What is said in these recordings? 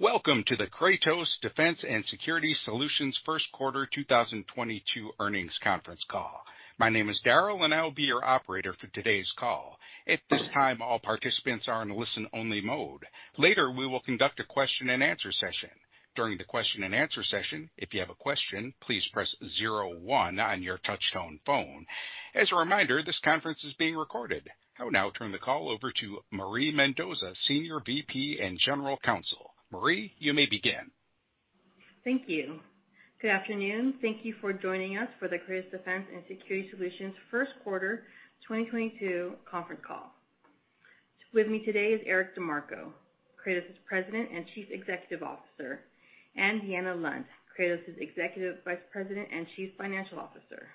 Welcome to the Kratos Defense & Security Solutions First Quarter 2022 Earnings Conference Call. My name is Daryl, and I'll be your operator for today's call. At this time, all participants are in listen-only mode. Later, we will conduct a question-and-answer session. During the question-and-answer session, if you have a question, please press zero one on your touchtone phone. As a reminder, this conference is being recorded. I will now turn the call over to Marie Mendoza, Senior VP and General Counsel. Marie, you may begin. Thank you. Good afternoon. Thank you for joining us for the Kratos Defense & Security Solutions First Quarter 2022 Conference Call. With me today is Eric DeMarco, Kratos's President and Chief Executive Officer, and Deanna Lund, Kratos's Executive Vice President and Chief Financial Officer.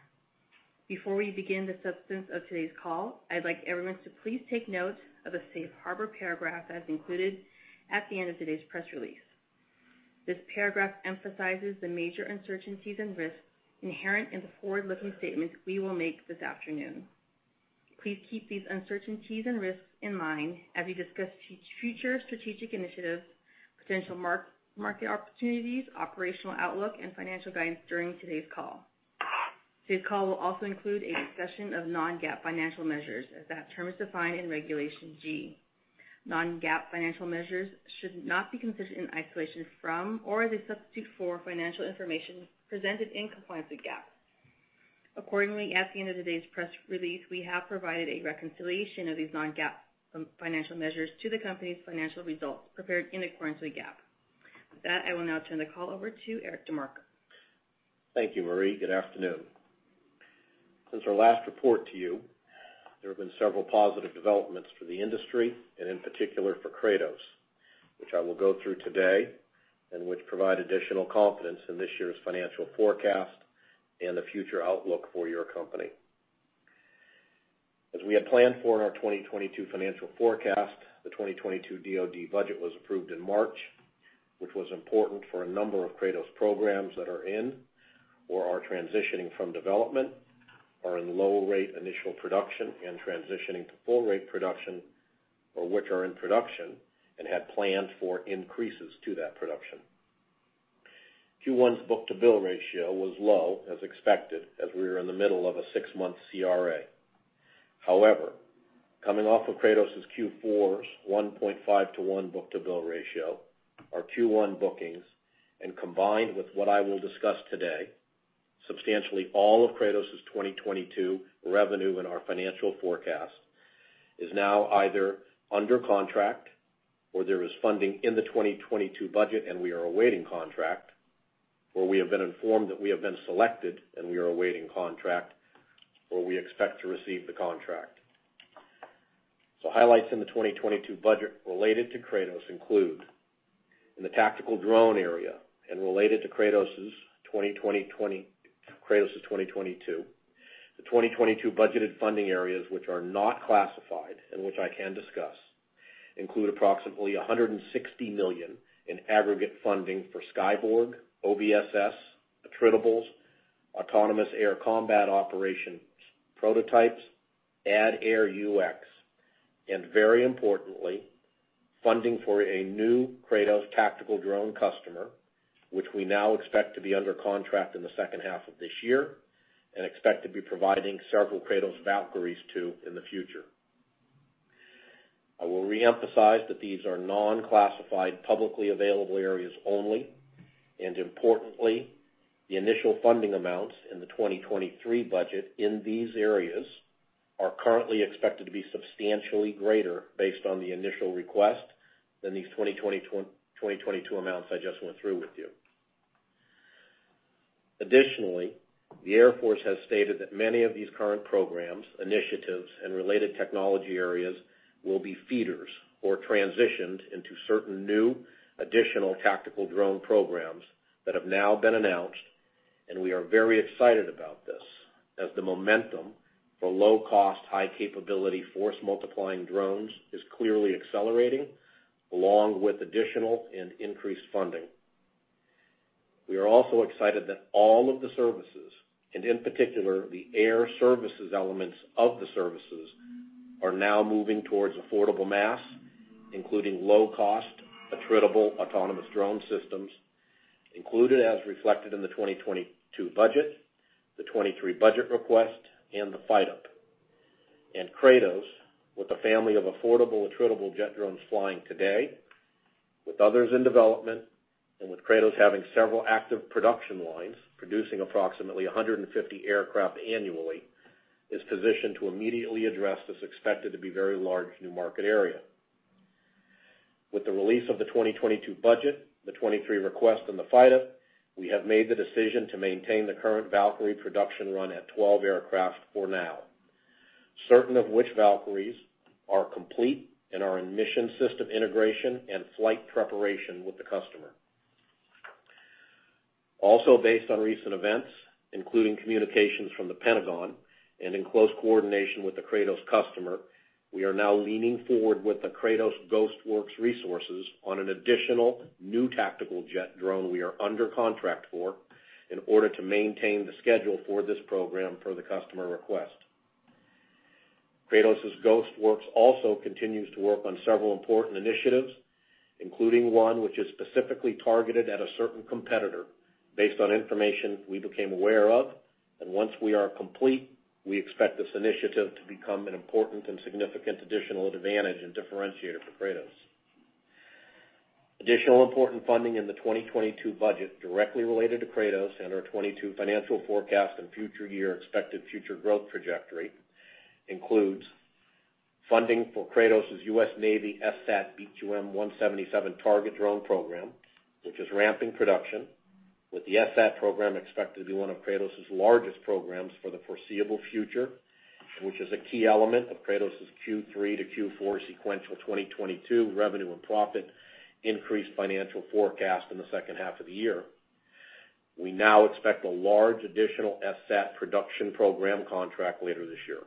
Before we begin the substance of today's call, I'd like everyone to please take note of a safe harbor paragraph that's included at the end of today's press release. This paragraph emphasizes the major uncertainties and risks inherent in the forward-looking statements we will make this afternoon. Please keep these uncertainties and risks in mind as we discuss future strategic initiatives, potential market opportunities, operational outlook, and financial guidance during today's call. Today's call will also include a discussion of non-GAAP financial measures, as that term is defined in Regulation G. Non-GAAP financial measures should not be considered in isolation from or as a substitute for financial information presented in compliance with GAAP. Accordingly, at the end of today's press release, we have provided a reconciliation of these non-GAAP financial measures to the company's financial results prepared in accordance with GAAP. With that, I will now turn the call over to Eric DeMarco. Thank you, Marie. Good afternoon. Since our last report to you, there have been several positive developments for the industry, and in particular for Kratos, which I will go through today and which provide additional confidence in this year's financial forecast and the future outlook for your company. As we had planned for in our 2022 financial forecast, the 2022 DoD budget was approved in March, which was important for a number of Kratos programs that are in or are transitioning from development, are in low rate initial production and transitioning to full rate production, or which are in production and had planned for increases to that production. Q1's book-to-bill ratio was low, as expected, as we were in the middle of a six-month CRA. However, coming off of Kratos's Q4's 1.5-1 book-to-bill ratio, our Q1 bookings, and combined with what I will discuss today, substantially all of Kratos's 2022 revenue in our financial forecast is now either under contract or there is funding in the 2022 budget and we are awaiting contract, or we have been informed that we have been selected and we are awaiting contract, or we expect to receive the contract. Highlights in the 2022 budget related to Kratos include in the tactical drone area and related to Kratos's 2022, the 2022 budgeted funding areas which are not classified and which I can discuss include approximately $160 million in aggregate funding for Skyborg, OBSS, attritables, autonomous air combat operations prototypes, ADAIR-UX, and very importantly, funding for a new Kratos tactical drone customer, which we now expect to be under contract in the second half of this year and expect to be providing several Kratos Valkyries to in the future. I will reemphasize that these are non-classified, publicly available areas only. Importantly, the initial funding amounts in the 2023 budget in these areas are currently expected to be substantially greater based on the initial request than these 2022 amounts I just went through with you. Additionally, the Air Force has stated that many of these current programs, initiatives, and related technology areas will be feeders or transitioned into certain new additional tactical drone programs that have now been announced. We are very excited about this, as the momentum for low cost, high capability force multiplying drones is clearly accelerating along with additional and increased funding. We are also excited that all of the services, and in particular the air services elements of the services, are now moving towards affordable mass, including low cost, attritable autonomous drone systems, included as reflected in the 2022 budget, the 2023 budget request, and the FYDP. Kratos, with a family of affordable, attritable jet drones flying today, with others in development, and with Kratos having several active production lines producing approximately 150 aircraft annually, is positioned to immediately address this expected to be very large new market area. With the release of the 2022 budget, the 2023 request, and the FYDP, we have made the decision to maintain the current Valkyrie production run at 12 aircraft for now, certain of which Valkyries are complete and are in mission system integration and flight preparation with the customer. Also, based on recent events, including communications from the Pentagon and in close coordination with the Kratos customer, we are now leaning forward with the Kratos Ghost Works resources on an additional new tactical jet drone we are under contract for in order to maintain the schedule for this program per the customer request. Kratos' Ghost Works also continues to work on several important initiatives, including one which is specifically targeted at a certain competitor based on information we became aware of. Once we are complete, we expect this initiative to become an important and significant additional advantage and differentiator for Kratos. Additional important funding in the 2022 budget directly related to Kratos and our 2022 financial forecast and future year expected future growth trajectory includes funding for Kratos' U.S. Navy FSAT BQM-177 target drone program, which is ramping production, with the FSAT program expected to be one of Kratos' largest programs for the foreseeable future, which is a key element of Kratos' Q3 to Q4 sequential 2022 revenue and profit increase financial forecast in the second half of the year. We now expect a large additional FSAT production program contract later this year.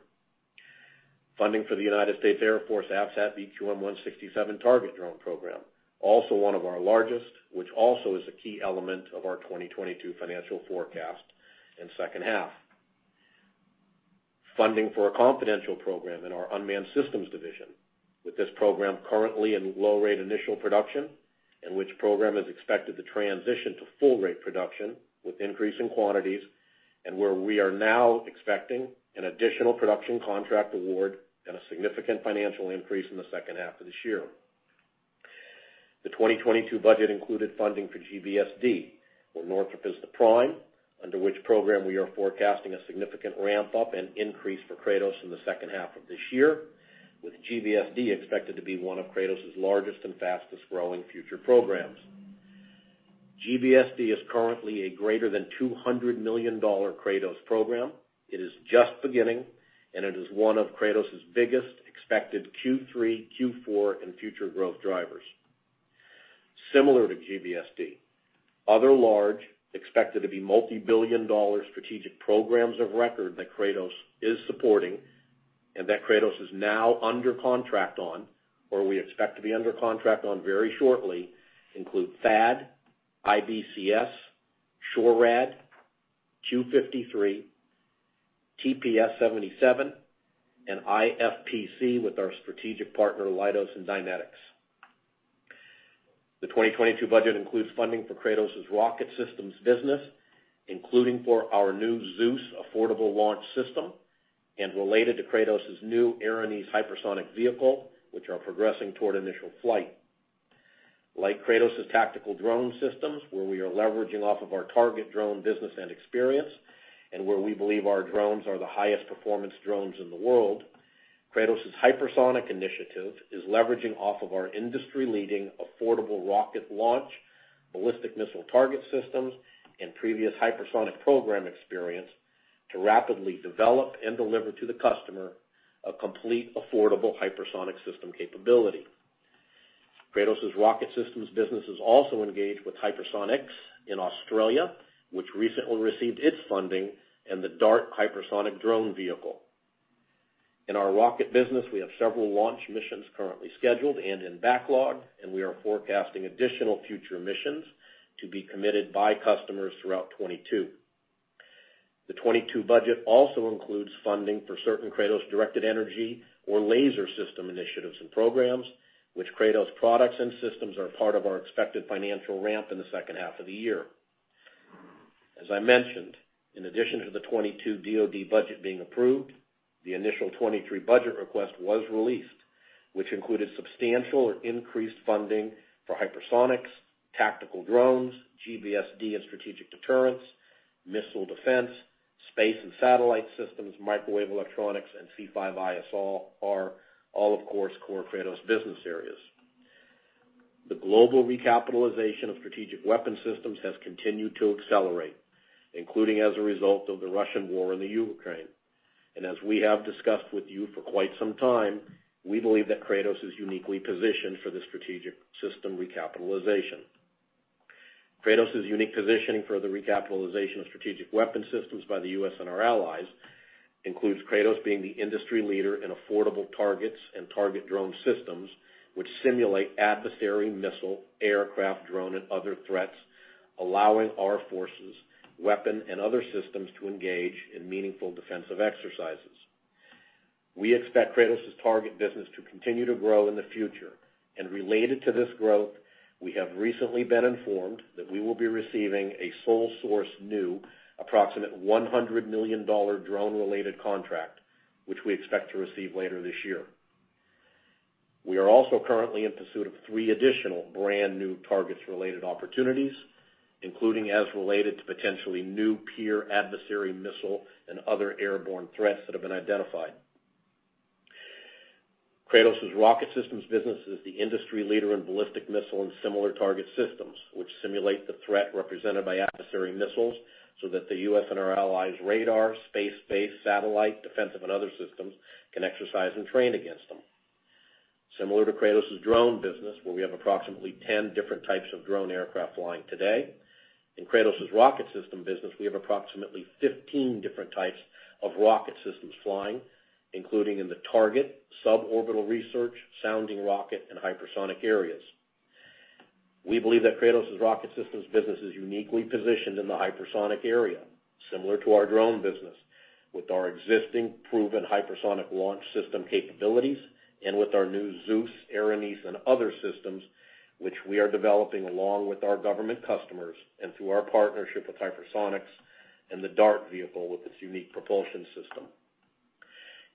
Funding for the United States Air Force FSAT BQM-167 target drone program, also one of our largest, which also is a key element of our 2022 financial forecast in second half. Funding for a confidential program in our unmanned systems division, with this program currently in low rate initial production, and which program is expected to transition to full rate production with increase in quantities, and where we are now expecting an additional production contract award and a significant financial increase in the second half of this year. The 2022 budget included funding for GBSD, where Northrop Grumman is the prime, under which program we are forecasting a significant ramp-up and increase for Kratos in the second half of this year, with GBSD expected to be one of Kratos' largest and fastest-growing future programs. GBSD is currently a greater than $200 million Kratos program. It is just beginning, and it is one of Kratos' biggest expected Q3, Q4, and future growth drivers. Similar to GBSD, other large, expected to be multi-billion dollar strategic programs of record that Kratos is supporting and that Kratos is now under contract on, or we expect to be under contract on very shortly, include THAAD, IBCS, SHORAD, Q-53, TPS-77, and IFPC with our strategic partner Leidos and Dynetics. The 2022 budget includes funding for Kratos' rocket systems business, including for our new Zeus affordable launch system and related to Kratos' new Erinyes hypersonic vehicle, which are progressing toward initial flight. Like Kratos' tactical drone systems, where we are leveraging off of our target drone business and experience, and where we believe our drones are the highest performance drones in the world, Kratos' hypersonic initiative is leveraging off of our industry-leading affordable rocket launch, ballistic missile target systems, and previous hypersonic program experience to rapidly develop and deliver to the customer a complete affordable hypersonic system capability. Kratos' rocket systems business is also engaged with hypersonics in Australia, which recently received its funding and the DART hypersonic drone vehicle. In our rocket business, we have several launch missions currently scheduled and in backlog, and we are forecasting additional future missions to be committed by customers throughout 2022. The 2022 budget also includes funding for certain Kratos directed-energy or laser system initiatives and programs, which Kratos products and systems are part of our expected financial ramp in the second half of the year. As I mentioned, in addition to the 2022 DoD budget being approved, the initial 2023 budget request was released, which included substantial or increased funding for hypersonics, tactical drones, GBSD and strategic deterrence, missile defense, space and satellite systems, microwave electronics, and C5ISR, all of course, core Kratos business areas. The global recapitalization of strategic weapon systems has continued to accelerate, including as a result of the Russian war in Ukraine. As we have discussed with you for quite some time, we believe that Kratos is uniquely positioned for the strategic system recapitalization. Kratos' unique positioning for the recapitalization of strategic weapon systems by the U.S. and our allies includes Kratos being the industry leader in affordable targets and target drone systems, which simulate adversary missile, aircraft, drone, and other threats, allowing our forces, weapon, and other systems to engage in meaningful defensive exercises. We expect Kratos' target business to continue to grow in the future. Related to this growth, we have recently been informed that we will be receiving a sole source new approximate $100 million drone-related contract, which we expect to receive later this year. We are also currently in pursuit of three additional brand new targets-related opportunities, including as related to potentially new peer adversary missile and other airborne threats that have been identified. Kratos' rocket systems business is the industry leader in ballistic missile and similar target systems, which simulate the threat represented by adversary missiles so that the U.S. and our allies' radar, space-based satellite, defensive, and other systems can exercise and train against them. Similar to Kratos' drone business, where we have approximately 10 different types of drone aircraft flying today, in Kratos' rocket system business, we have approximately 15 different types of rocket systems flying, including in the target, suborbital research, sounding rocket, and hypersonic areas. We believe that Kratos' rocket systems business is uniquely positioned in the hypersonic area, similar to our drone business, with our existing proven hypersonic launch system capabilities and with our new Zeus, Erinyes, and other systems, which we are developing along with our government customers and through our partnership with Hypersonix and the DART vehicle with its unique propulsion system.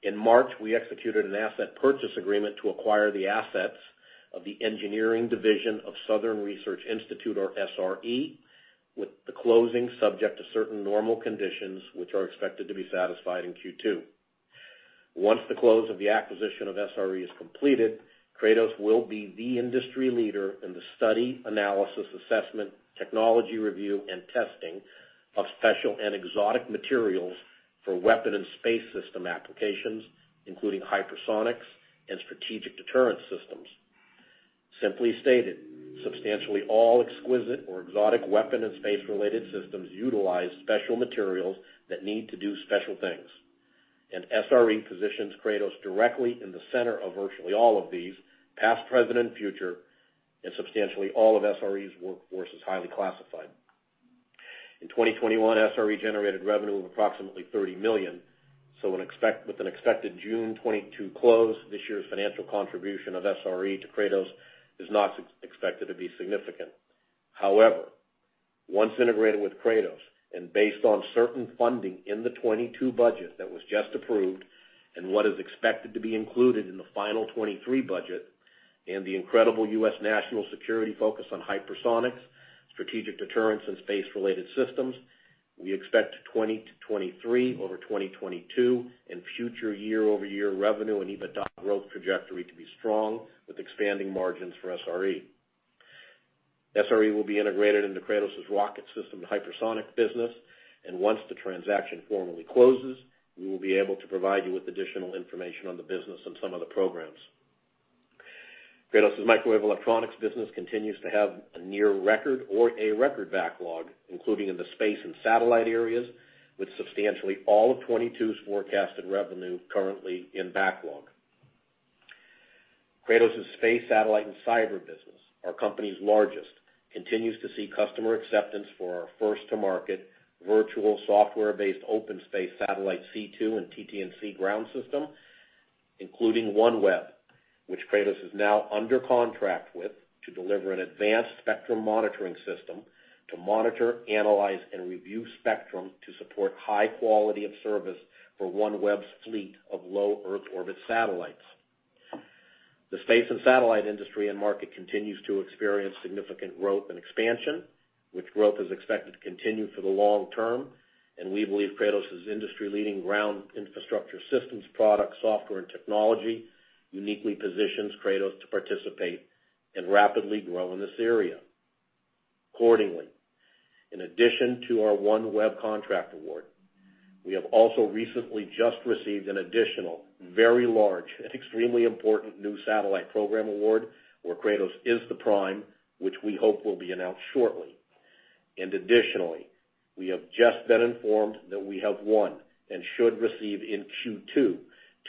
In March, we executed an asset purchase agreement to acquire the assets of the engineering division of Southern Research Institute, or SRE, with the closing subject to certain normal conditions which are expected to be satisfied in Q2. Once the close of the acquisition of SRE is completed, Kratos will be the industry leader in the study, analysis, assessment, technology review, and testing of special and exotic materials for weapon and space system applications, including hypersonics and strategic deterrence systems. Simply stated, substantially all exquisite or exotic weapon and space-related systems utilize special materials that need to do special things, and SRE positions Kratos directly in the center of virtually all of these, past, present, and future, and substantially all of SRE's workforce is highly classified. In 2021, SRE generated revenue of approximately $30 million, so with an expected June 2022 close, this year's financial contribution of SRE to Kratos is not expected to be significant. However, once integrated with Kratos, and based on certain funding in the 2022 budget that was just approved and what is expected to be included in the final 2023 budget and the incredible U.S. national security focus on hypersonics, strategic deterrence, and space-related systems, we expect 2023 over 2022 and future year-over-year revenue and EBITDA growth trajectory to be strong with expanding margins for SRE. SRE will be integrated into Kratos' rocket system hypersonic business, and once the transaction formally closes, we will be able to provide you with additional information on the business and some of the programs. Kratos' microwave electronics business continues to have a near-record or a record backlog, including in the space and satellite areas, with substantially all of 2022's forecasted revenue currently in backlog. Kratos' space, satellite, and cyber business, our company's largest, continues to see customer acceptance for our first-to-market virtual software-based open space satellite C2 and TT&C ground system, including OneWeb, which Kratos is now under contract with to deliver an advanced spectrum monitoring system to monitor, analyze, and review spectrum to support high quality of service for OneWeb's fleet of low Earth orbit satellites. The space and satellite industry and market continues to experience significant growth and expansion, which growth is expected to continue for the long term, and we believe Kratos' industry-leading ground infrastructure systems, products, software, and technology uniquely positions Kratos to participate and rapidly grow in this area. Accordingly, in addition to our OneWeb contract award, we have also recently just received an additional very large and extremely important new satellite program award where Kratos is the prime, which we hope will be announced shortly. Additionally, we have just been informed that we have won and should receive in Q2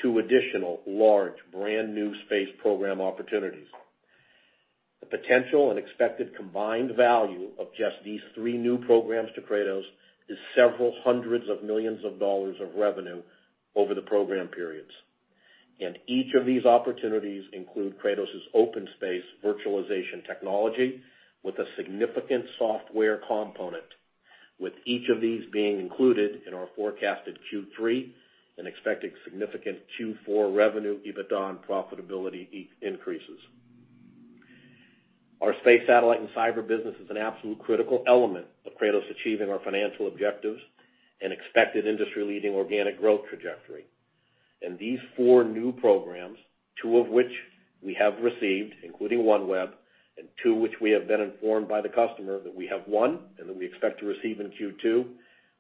two additional large brand new space program opportunities. The potential and expected combined value of just these three new programs to Kratos is several hundred million of dollars of revenue over the program periods. Each of these opportunities include Kratos' OpenSpace virtualization technology with a significant software component, with each of these being included in our forecasted Q3 and expected significant Q4 revenue, EBITDA, and profitability increases. Our space, satellite, and cyber business is an absolute critical element of Kratos achieving our financial objectives and expected industry-leading organic growth trajectory. These four new programs, two of which we have received, including OneWeb, and two which we have been informed by the customer that we have won and that we expect to receive in Q2,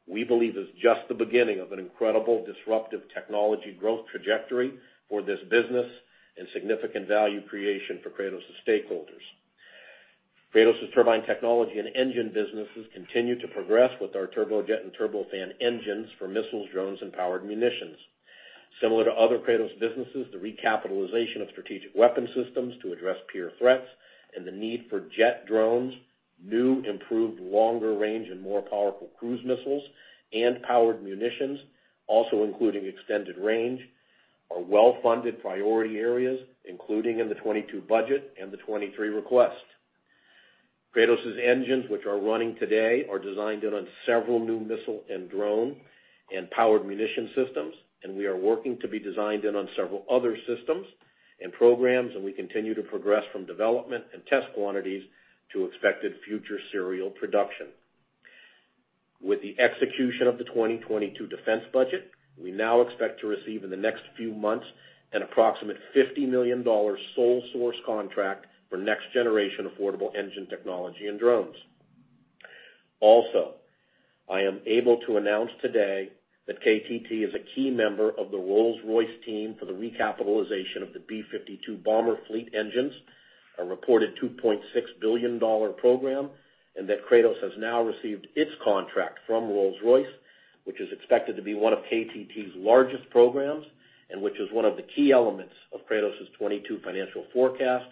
we believe is just the beginning of an incredible disruptive technology growth trajectory for this business and significant value creation for Kratos' stakeholders. Kratos' turbine technology and engine businesses continue to progress with our turbojet and turbofan engines for missiles, drones, and powered munitions. Similar to other Kratos businesses, the recapitalization of strategic weapon systems to address peer threats and the need for jet drones, new, improved, longer-range, and more powerful cruise missiles and powered munitions, also including extended range, are well-funded priority areas, including in the 2022 budget and the 2023 request. Kratos' engines, which are running today, are designed in on several new missile and drone and powered munition systems, and we are working to be designed in on several other systems and programs, and we continue to progress from development and test quantities to expected future serial production. With the execution of the 2022 defense budget, we now expect to receive in the next few months an approximate $50 million sole source contract for next-generation affordable engine technology and drones. Also, I am able to announce today that KTT is a key member of the Rolls-Royce team for the recapitalization of the B-52 bomber fleet engines, a reported $2.6 billion program, and that Kratos has now received its contract from Rolls-Royce, which is expected to be one of KTT's largest programs and which is one of the key elements of Kratos' 2022 financial forecast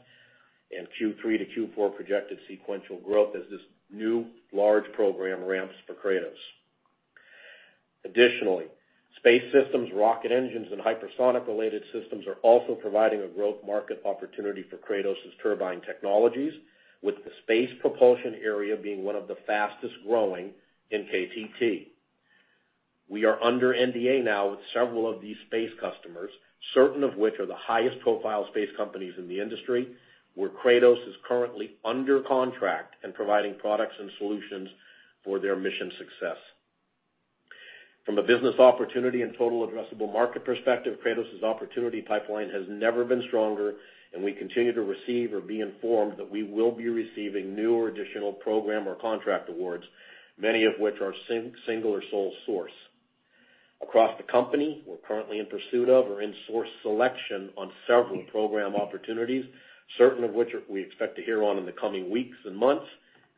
and Q3 to Q4 projected sequential growth as this new large program ramps for Kratos. Additionally, space systems, rocket engines, and hypersonic-related systems are also providing a growth market opportunity for Kratos' turbine technologies, with the space propulsion area being one of the fastest-growing in KTT. We are under NDA now with several of these space customers, certain of which are the highest profile space companies in the industry, where Kratos is currently under contract and providing products and solutions for their mission success. From a business opportunity and total addressable market perspective, Kratos' opportunity pipeline has never been stronger, and we continue to receive or be informed that we will be receiving new or additional program or contract awards, many of which are single or sole source. Across the company, we're currently in pursuit of or in source selection on several program opportunities, certain of which we expect to hear on in the coming weeks and months.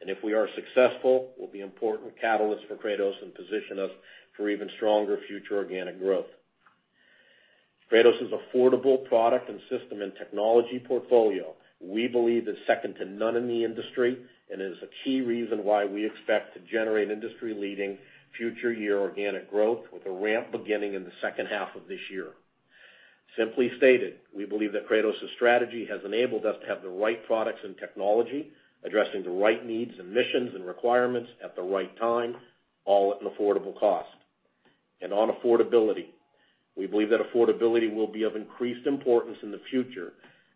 If we are successful, will be important catalysts for Kratos and position us for even stronger future organic growth. Kratos' affordable product and system and technology portfolio, we believe, is second to none in the industry and is a key reason why we expect to generate industry-leading future year organic growth with a ramp beginning in the second half of this year. Simply stated, we believe that Kratos' strategy has enabled us to have the right products and technology addressing the right needs and missions and requirements at the right time, all at an affordable cost. On affordability, we believe that affordability will be of increased importance in the future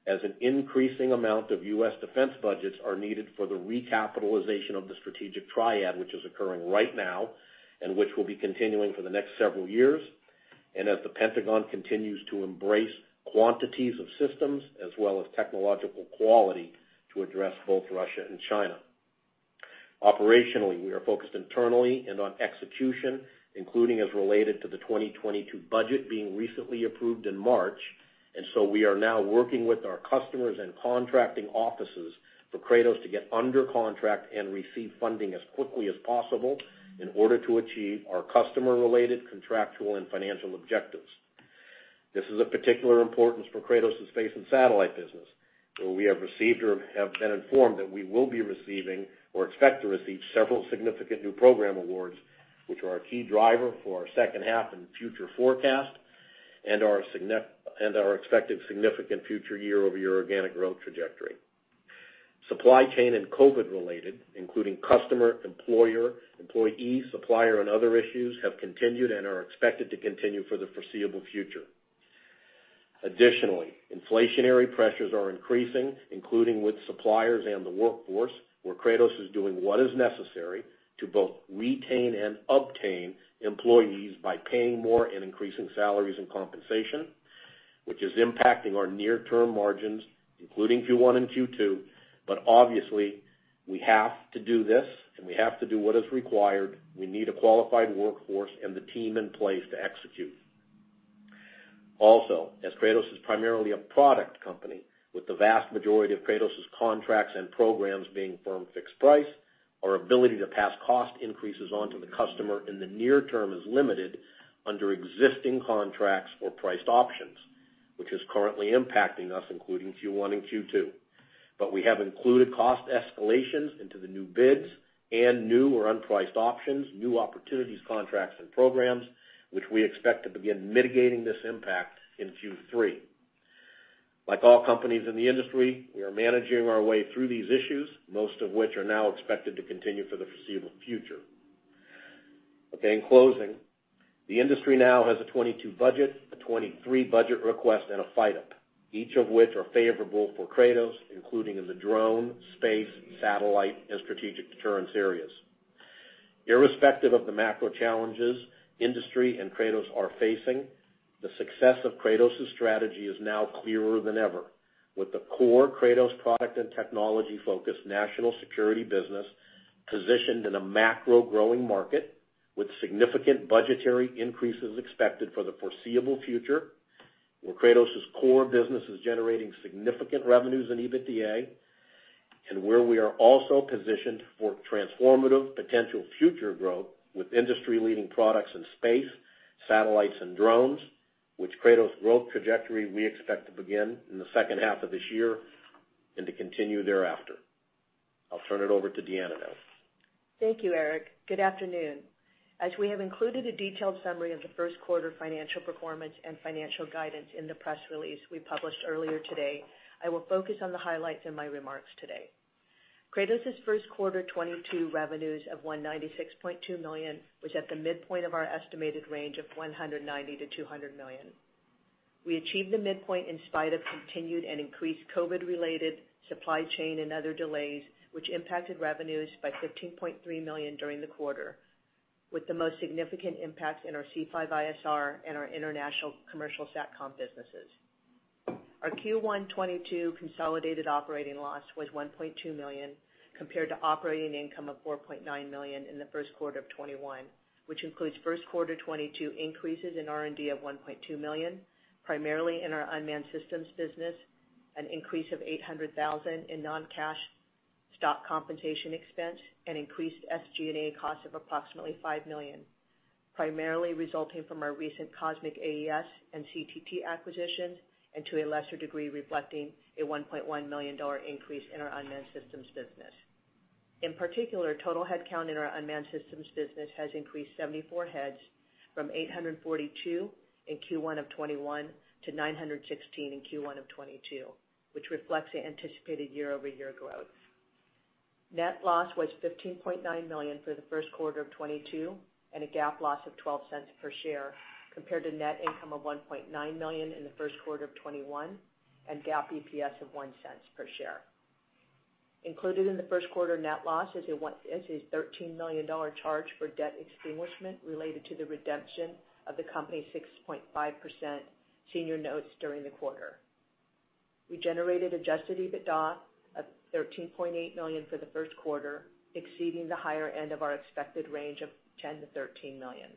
as an increasing amount of U.S. defense budgets are needed for the recapitalization of the strategic triad, which is occurring right now and which will be continuing for the next several years, and as the Pentagon continues to embrace quantities of systems as well as technological quality to address both Russia and China. Operationally, we are focused internally and on execution, including as related to the 2022 budget being recently approved in March, and so we are now working with our customers and contracting offices for Kratos to get under contract and receive funding as quickly as possible in order to achieve our customer-related contractual and financial objectives. This is of particular importance for Kratos' space and satellite business, where we have received or have been informed that we will be receiving or expect to receive several significant new program awards, which are a key driver for our second half and future forecast and our expected significant future year-over-year organic growth trajectory. Supply chain and COVID-related, including customer, employer, employee, supplier, and other issues, have continued and are expected to continue for the foreseeable future. Additionally, inflationary pressures are increasing, including with suppliers and the workforce, where Kratos is doing what is necessary to both retain and obtain employees by paying more and increasing salaries and compensation, which is impacting our near-term margins, including Q1 and Q2. Obviously, we have to do this, and we have to do what is required. We need a qualified workforce and the team in place to execute. Also, as Kratos is primarily a product company, with the vast majority of Kratos' contracts and programs being firm fixed price, our ability to pass cost increases on to the customer in the near term is limited under existing contracts or priced options, which is currently impacting us, including Q1 and Q2. We have included cost escalations into the new bids and new or unpriced options, new opportunities, contracts, and programs, which we expect to begin mitigating this impact in Q3. Like all companies in the industry, we are managing our way through these issues, most of which are now expected to continue for the foreseeable future. Okay, in closing, the industry now has a 2022 budget, a 2023 budget request, and a FYDP, each of which are favorable for Kratos, including in the drone, space, satellite, and strategic deterrence areas. Irrespective of the macro challenges industry and Kratos are facing, the success of Kratos' strategy is now clearer than ever. With the core Kratos product and technology-focused national security business positioned in a macro growing market with significant budgetary increases expected for the foreseeable future, where Kratos' core business is generating significant revenues in EBITDA, and where we are also positioned for transformative potential future growth with industry-leading products in space, satellites, and drones, which Kratos' growth trajectory we expect to begin in the second half of this year and to continue thereafter. I'll turn it over to Deanna now. Thank you, Eric. Good afternoon. As we have included a detailed summary of the first quarter financial performance and financial guidance in the press release we published earlier today, I will focus on the highlights in my remarks today. Kratos' first quarter 2022 revenues of $196.2 million was at the midpoint of our estimated range of $190 million-$200 million. We achieved the midpoint in spite of continued and increased COVID-related supply chain and other delays, which impacted revenues by $15.3 million during the quarter, with the most significant impacts in our C5ISR and our international commercial SATCOM businesses. Our Q1 2022 consolidated operating loss was $1.2 million, compared to operating income of $4.9 million in the first quarter of 2021, which includes first quarter 2022 increases in R&D of $1.2 million, primarily in our unmanned systems business, an increase of $800,000 in non-cash stock compensation expense, and increased SG&A costs of approximately $5 million, primarily resulting from our recent Cosmic AES and CTT acquisition, and to a lesser degree, reflecting a $1.1 million increase in our unmanned systems business. In particular, total headcount in our unmanned systems business has increased 74 heads from 842 in Q1 of 2021 to 916 in Q1 of 2022, which reflects the anticipated year-over-year growth. Net loss was $15.9 million for the first quarter of 2022 and a GAAP loss of $0.12 per share, compared to net income of $1.9 million in the first quarter of 2021 and GAAP EPS of $0.01 per share. Included in the first quarter net loss is a $13 million charge for debt extinguishment related to the redemption of the company's 6.5% senior notes during the quarter. We generated Adjusted EBITDA of $13.8 million for the first quarter, exceeding the higher end of our expected range of $10 million-$13 million.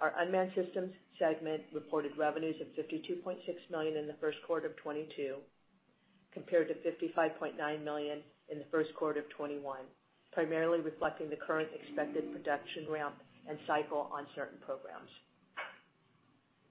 Our unmanned systems segment reported revenues of $52.6 million in the first quarter of 2022 compared to $55.9 million in the first quarter of 2021, primarily reflecting the current expected production ramp and cycle on certain programs.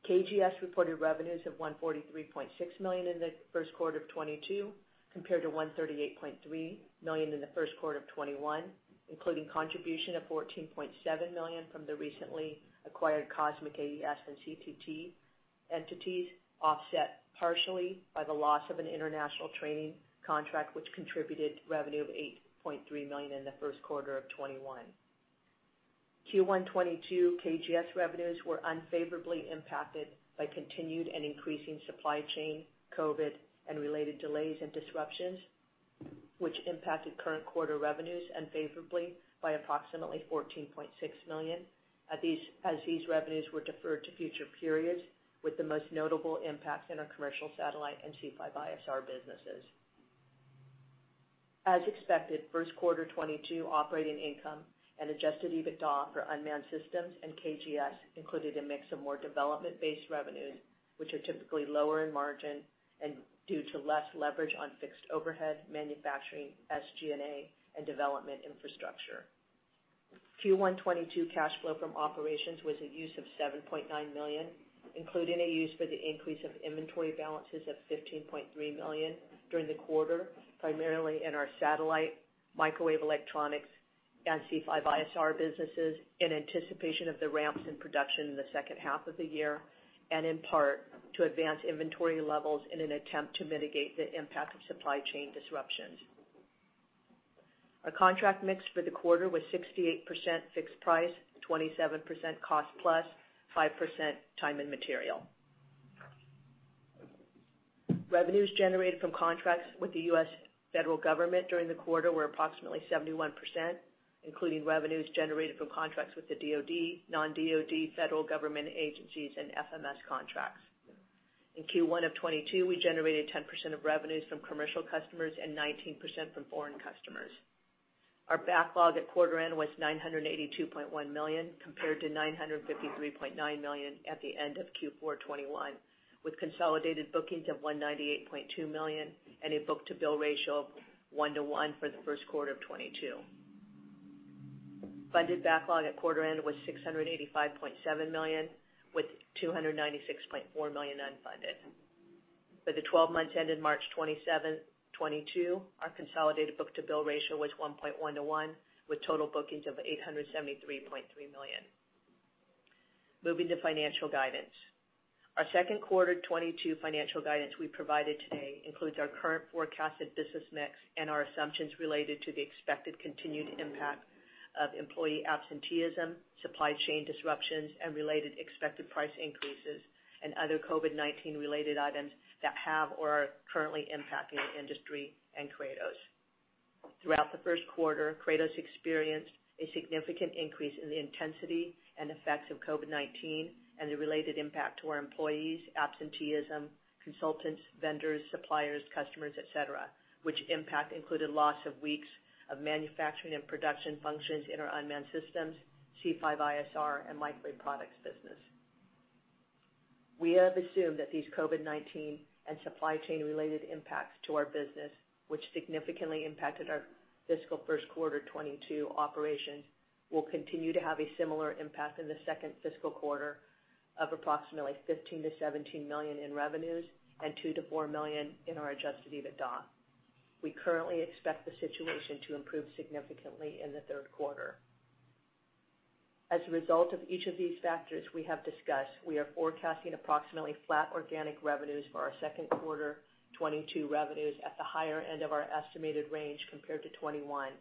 KGS reported revenues of $143.6 million in the first quarter of 2022 compared to $138.3 million in the first quarter of 2021, including contribution of $14.7 million from the recently acquired Cosmic AES and CTT entities, offset partially by the loss of an international training contract, which contributed to revenue of $8.3 million in the first quarter of 2021. Q1 2022 KGS revenues were unfavorably impacted by continued and increasing supply chain, COVID and related delays and disruptions, which impacted current quarter revenues unfavorably by approximately $14.6 million. As these revenues were deferred to future periods, with the most notable impacts in our commercial satellite and C5ISR businesses. As expected, first quarter 2022 operating income and Adjusted EBITDA for unmanned systems and KGS included a mix of more development-based revenues, which are typically lower in margin and due to less leverage on fixed overhead manufacturing, SG&A, and development infrastructure. Q1 2022 cash flow from operations was a use of $7.9 million, including a use for the increase of inventory balances of $15.3 million during the quarter, primarily in our satellite, microwave electronics and C5ISR businesses, in anticipation of the ramps in production in the second half of the year and in part to advance inventory levels in an attempt to mitigate the impact of supply chain disruptions. Our contract mix for the quarter was 68% fixed price, 27% cost plus, 5% time and material. Revenues generated from contracts with the U.S. federal government during the quarter were approximately 71%, including revenues generated from contracts with the DoD, non-DoD federal government agencies and FMS contracts. In Q1 of 2022, we generated 10% of revenues from commercial customers and 19% from foreign customers. Our backlog at quarter end was $982.1 million, compared to $953.9 million at the end of Q4 2021, with consolidated bookings of $198.2 million and a book-to-bill ratio of 1-1 for the first quarter of 2022. Funded backlog at quarter end was $685.7 million, with $296.4 million unfunded. For the 12 months ending March 27, 2022, our consolidated book-to-bill ratio was 1.1-1, with total bookings of $873.3 million. Moving to financial guidance. Our second quarter 2022 financial guidance we provided today includes our current forecasted business mix and our assumptions related to the expected continued impact of employee absenteeism, supply chain disruptions and related expected price increases and other COVID-19 related items that have or are currently impacting the industry and Kratos. Throughout the first quarter, Kratos experienced a significant increase in the intensity and effects of COVID-19 and the related impact to our employees, absenteeism, consultants, vendors, suppliers, customers, et cetera, which impact included loss of weeks of manufacturing and production functions in our unmanned systems, C5ISR and microwave products business. We have assumed that these COVID-19 and supply chain related impacts to our business, which significantly impacted our fiscal first quarter 2022 operations, will continue to have a similar impact in the second fiscal quarter of approximately $15 million-$17 million in revenues and $2 million-$4 million in our Adjusted EBITDA. We currently expect the situation to improve significantly in the third quarter. As a result of each of these factors we have discussed, we are forecasting approximately flat organic revenues for our second quarter 2022 revenues at the higher end of our estimated range compared to 2021,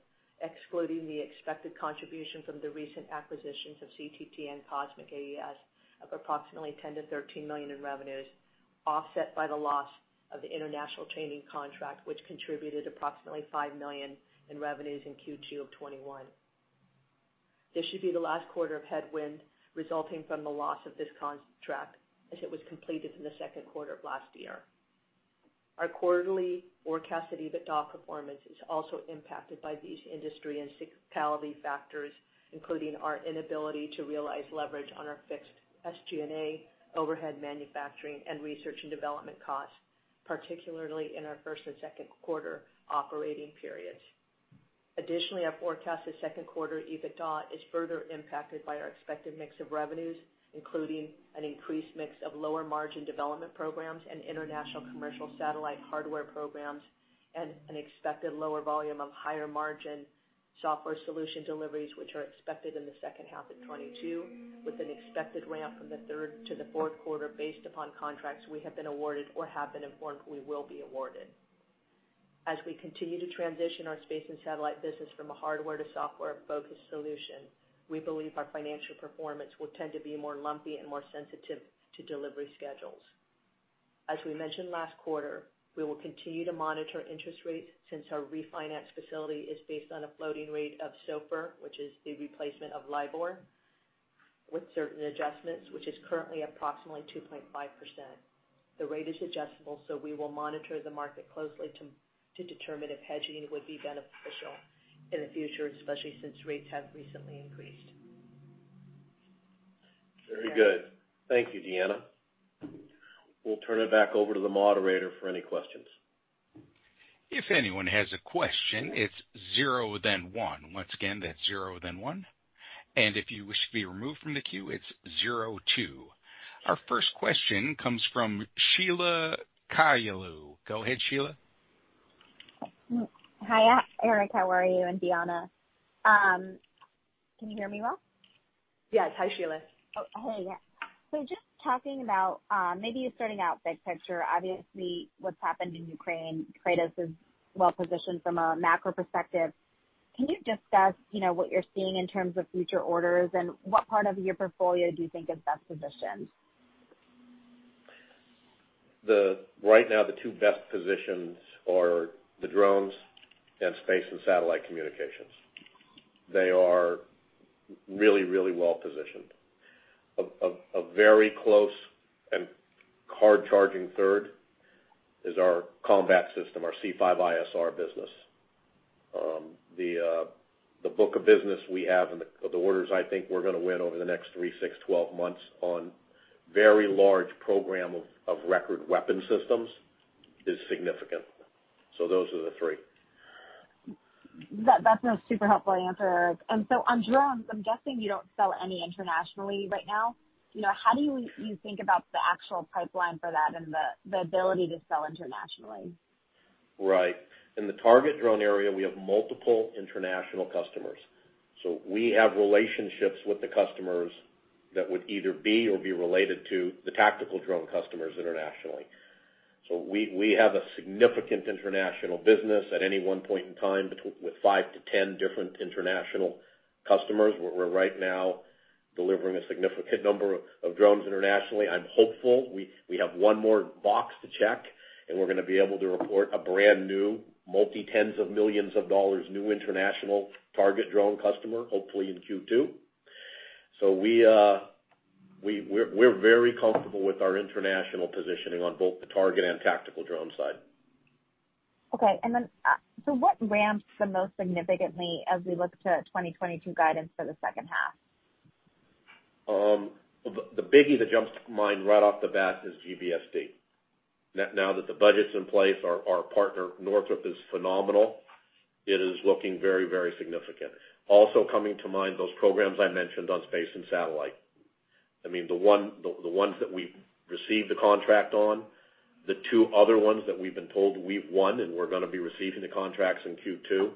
excluding the expected contribution from the recent acquisitions of CTT and Cosmic AES of approximately $10 million-$13 million in revenues, offset by the loss of the international training contract, which contributed approximately $5 million in revenues in Q2 of 2021. This should be the last quarter of headwind resulting from the loss of this contract as it was completed in the second quarter of last year. Our quarterly forecasted EBITDA performance is also impacted by these industry and seasonality factors, including our inability to realize leverage on our fixed SG&A, overhead manufacturing and research and development costs, particularly in our first and second quarter operating periods. Additionally, our forecasted second quarter EBITDA is further impacted by our expected mix of revenues, including an increased mix of lower margin development programs and international commercial satellite hardware programs, and an expected lower volume of higher margin software solution deliveries, which are expected in the second half of 2022, with an expected ramp from the third to the fourth quarter based upon contracts we have been awarded or have been informed we will be awarded. As we continue to transition our space and satellite business from a hardware to software-focused solution, we believe our financial performance will tend to be more lumpy and more sensitive to delivery schedules. As we mentioned last quarter, we will continue to monitor interest rates since our refinance facility is based on a floating rate of SOFR, which is the replacement of LIBOR, with certain adjustments, which is currently approximately 2.5%. The rate is adjustable, so we will monitor the market closely to determine if hedging would be beneficial in the future, especially since rates have recently increased. Very good. Thank you, Deanna. We'll turn it back over to the moderator for any questions. If anyone has a question, it's zero, then one. Once again, that's zero, then one. If you wish to be removed from the queue, it's zero two. Our first question comes from Sheila Kahyaoglu. Go ahead, Sheila. Hi, Eric, how are you, and Deanna? Can you hear me well? Yes. Hi, Sheila. Oh, hey. Just talking about maybe starting out big picture, obviously what's happened in Ukraine, Kratos is well positioned from a macro perspective. Can you discuss, you know, what you're seeing in terms of future orders, and what part of your portfolio do you think is best positioned? Right now, the two best positions are the drones and space and satellite communications. They are really, really well positioned. A very close and hard-charging third is our combat system, our C5ISR business. The book of business we have and the orders I think we're gonna win over the next three, six, 12 months on very large program of record weapon systems is significant. Those are the three. That's a super helpful answer, Eric. On drones, I'm guessing you don't sell any internationally right now. You know, how do you think about the actual pipeline for that and the ability to sell internationally? Right. In the target drone area, we have multiple international customers. We have relationships with the customers that would either be or be related to the tactical drone customers internationally. We have a significant international business at any one point in time with five to 10 different international customers. We're right now delivering a significant number of drones internationally. I'm hopeful. We have one more box to check, and we're gonna be able to report a brand-new multi-tens of millions of dollars new international target drone customer, hopefully in Q2. We're very comfortable with our international positioning on both the target and tactical drone side. What ramps the most significantly as we look to 2022 guidance for the second half? The biggie that jumps to mind right off the bat is GBSD. Now that the budget's in place, our partner, Northrop, is phenomenal. It is looking very significant. Also coming to mind, those programs I mentioned on space and satellite. I mean, the ones that we received the contract on, the two other ones that we've been told we've won and we're gonna be receiving the contracts in Q2,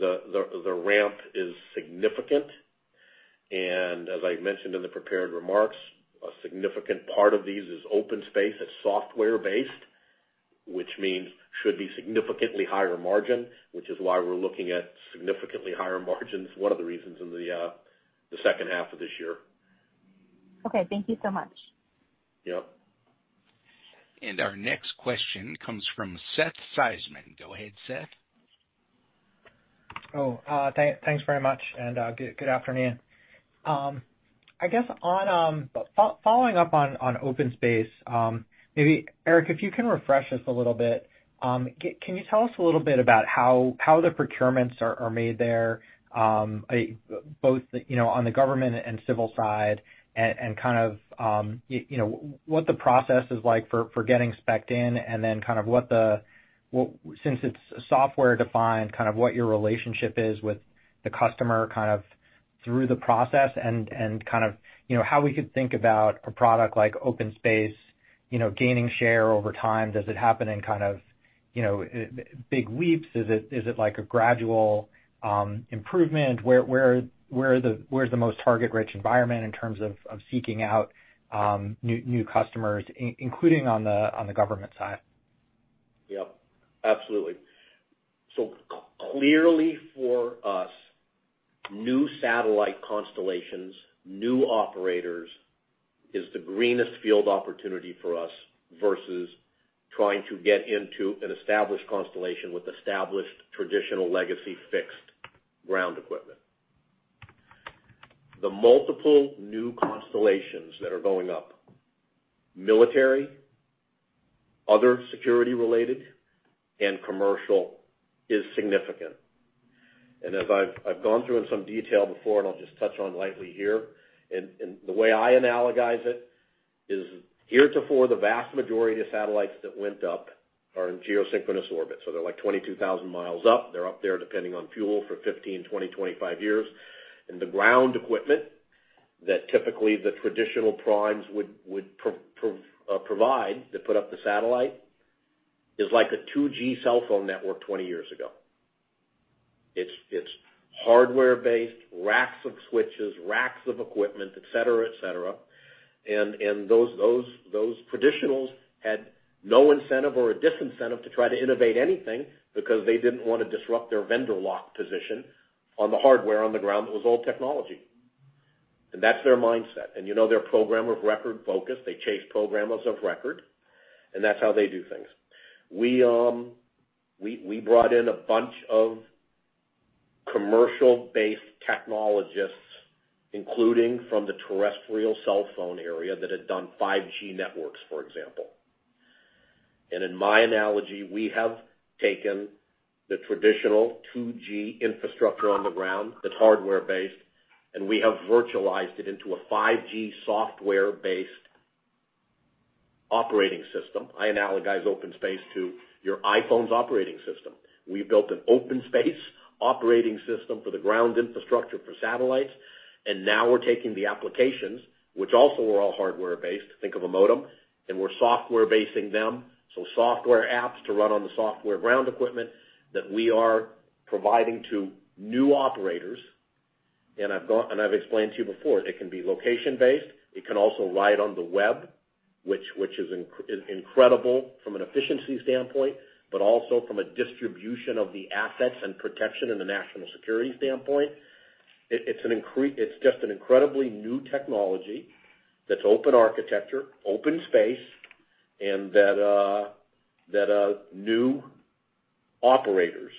the ramp is significant. As I mentioned in the prepared remarks, a significant part of these is OpenSpace as software-based, which means should be significantly higher margin, which is why we're looking at significantly higher margins, one of the reasons in the second half of this year. Okay, thank you so much. Yep. Our next question comes from Seth Seifman. Go ahead, Seth. Thanks very much, and good afternoon. I guess on following up on OpenSpace, maybe, Eric, if you can refresh us a little bit, can you tell us a little bit about how the procurements are made there, both, you know, on the government and civil side and kind of, you know, what the process is like for getting spec'd in, and then kind of what since it's software-defined, kind of what your relationship is with the customer, kind of through the process and kind of, you know, how we could think about a product like OpenSpace, you know, gaining share over time. Does it happen in kind of, you know, big leaps? Is it like a gradual improvement? Where's the most target-rich environment in terms of seeking out new customers, including on the government side? Yep. Absolutely. Clearly for us, new satellite constellations, new operators is the greenfield opportunity for us versus trying to get into an established constellation with established traditional legacy fixed ground equipment. The multiple new constellations that are going up, military, other security-related, and commercial is significant. As I've gone through in some detail before, and I'll just touch on lightly here, and the way I analogize it is heretofore, the vast majority of satellites that went up are in geosynchronous orbit. They're like 22,000 mi up. They're up there depending on fuel for 15, 20, 25 years. The ground equipment that typically the traditional primes would provide to put up the satellites is like a 2G cell phone network 20 years ago. It's hardware-based racks of switches, racks of equipment, et cetera, et cetera. Those traditionals had no incentive or a disincentive to try to innovate anything because they didn't wanna disrupt their vendor lock position on the hardware on the ground that was old technology. That's their mindset. You know their program of record focus. They chase programs of record, and that's how they do things. We brought in a bunch of commercial-based technologists, including from the terrestrial cell phone area that had done 5G networks, for example. In my analogy, we have taken the traditional 2G infrastructure on the ground that's hardware-based, and we have virtualized it into a 5G software-based operating system. I analogize OpenSpace to your iPhone's operating system. We built an OpenSpace operating system for the ground infrastructure for satellites, and now we're taking the applications, which also are all hardware-based, think of a modem, and we're software basing them. Software apps to run on the software ground equipment that we are providing to new operators. I've explained to you before, it can be location-based, it can also ride on the web, which is incredible from an efficiency standpoint, but also from a distribution of the assets and protection in the national security standpoint. It's just an incredibly new technology that's open architecture, OpenSpace, and that new operators,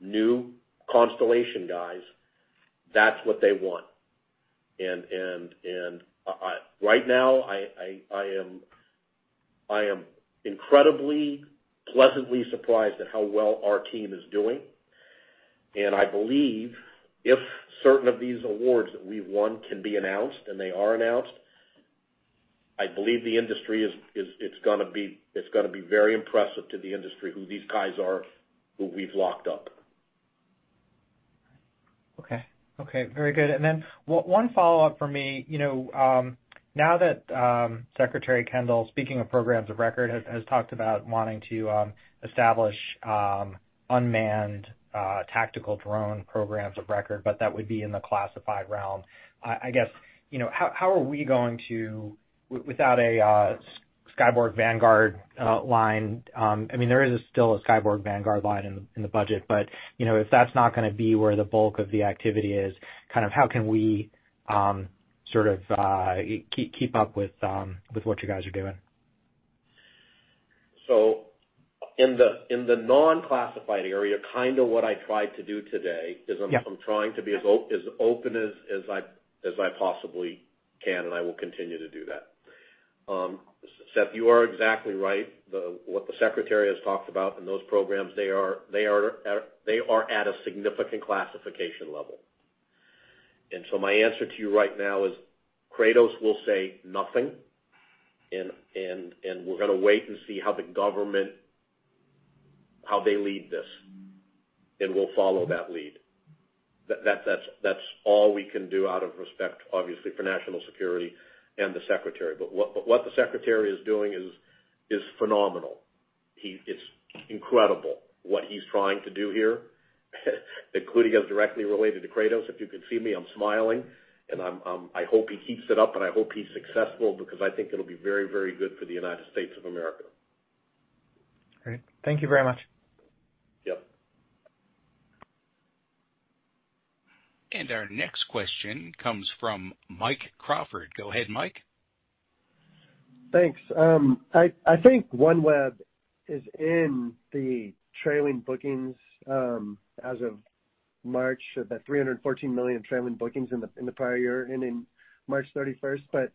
new constellation guys, that's what they want. Right now, I am incredibly pleasantly surprised at how well our team is doing. I believe if certain of these awards that we've won can be announced and they are announced, I believe the industry is. It's gonna be very impressive to the industry who these guys are, who we've locked up. Okay. Okay, very good. One follow-up for me. You know, now that Secretary Kendall, speaking of programs of record, has talked about wanting to establish unmanned tactical drone programs of record, but that would be in the classified realm. I guess, you know, how are we going to without a Skyborg Vanguard line. I mean, there is still a Skyborg Vanguard line in the budget, but, you know, if that's not gonna be where the bulk of the activity is, kind of how can we sort of keep up with what you guys are doing? In the non-classified area, kind of what I tried to do today is I'm Yeah. I'm trying to be as open as I possibly can, and I will continue to do that. Seth, you are exactly right. What the Secretary has talked about in those programs, they are at a significant classification level. My answer to you right now is Kratos will say nothing. We're gonna wait and see how the government leads this, and we'll follow that lead. That's all we can do out of respect, obviously, for national security and the Secretary. What the Secretary is doing is phenomenal. It's incredible what he's trying to do here including as directly related to Kratos. If you could see me, I'm smiling and I'm, I hope he keeps it up and I hope he's successful because I think it'll be very, very good for the United States of America. Great. Thank you very much. Yep. Our next question comes from Mike Crawford. Go ahead, Mike. Thanks. I think OneWeb is in the trailing bookings, as of March, the $314 million trailing bookings in the prior year ending March 31st.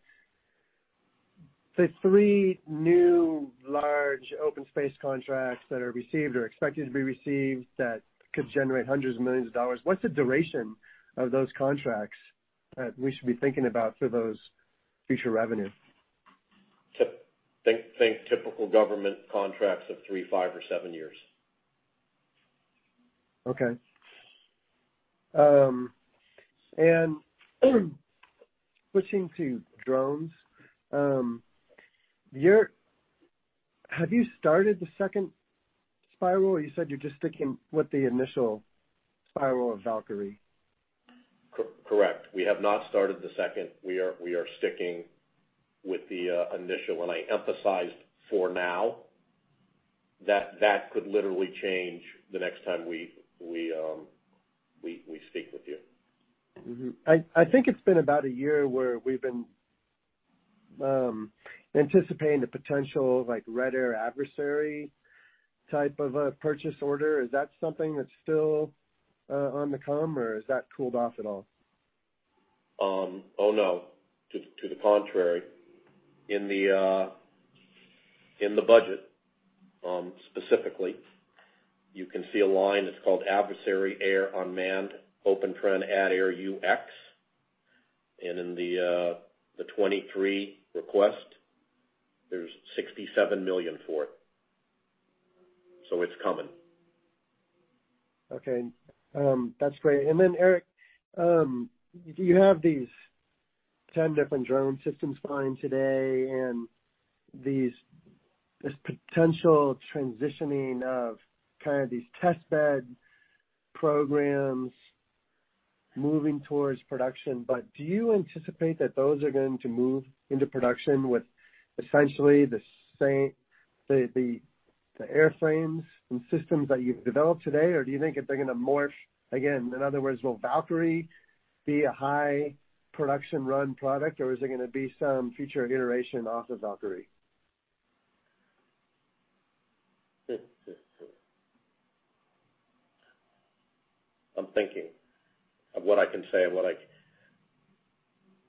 The three new large OpenSpace contracts that are received or expected to be received that could generate hundreds of millions of dollars, what's the duration of those contracts that we should be thinking about for those future revenues? Think typical government contracts of three, five or seven years. Okay. Switching to drones. Have you started the second spiral? You said you're just sticking with the initial spiral of Valkyrie. Correct. We have not started the second. We are sticking with the initial. I emphasized for now that could literally change the next time we speak with you. Mm-hmm. I think it's been about a year where we've been anticipating the potential of, like, Red Air adversary type of a purchase order. Is that something that's still on the come, or has that cooled off at all? To the contrary. In the budget, specifically, you can see a line that's called adversary air unmanned open trend at ADAIR-UX. In the 2023 request, there's $67 million for it. It's coming. Okay. That's great. Eric, you have these 10 different drone systems flying today and this potential transitioning of kind of these test bed programs moving towards production. Do you anticipate that those are going to move into production with essentially the same airframes and systems that you've developed today? Or do you think if they're gonna morph again, in other words, will Valkyrie be a high production run product, or is it gonna be some future iteration off of Valkyrie?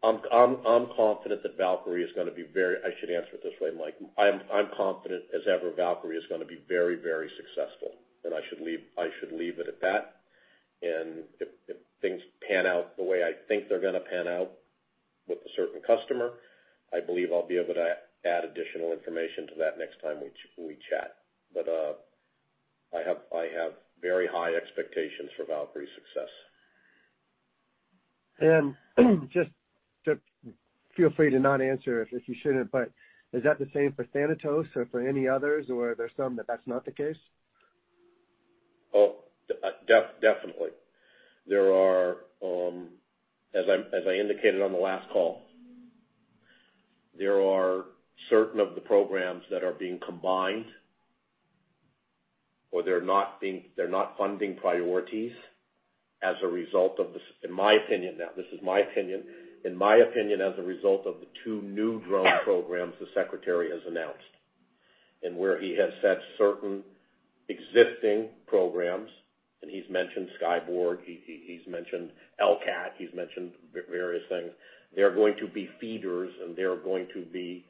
I should answer it this way, Mike. I'm confident as ever Valkyrie is gonna be very, very successful, and I should leave it at that. If things pan out the way I think they're gonna pan out with a certain customer, I believe I'll be able to add additional information to that next time we chat. I have very high expectations for Valkyrie's success. Feel free to not answer if you shouldn't, but is that the same for Thanatos or for any others, or are there some that's not the case? Definitely. There are, as I indicated on the last call, there are certain of the programs that are being combined or they're not funding priorities as a result of, in my opinion now, this is my opinion. In my opinion, as a result of the two new drone programs the Secretary has announced, and where he has said certain existing programs, and he's mentioned Skyborg, he's mentioned LCAT, he's mentioned various things. They're going to be feeders, and they're going to be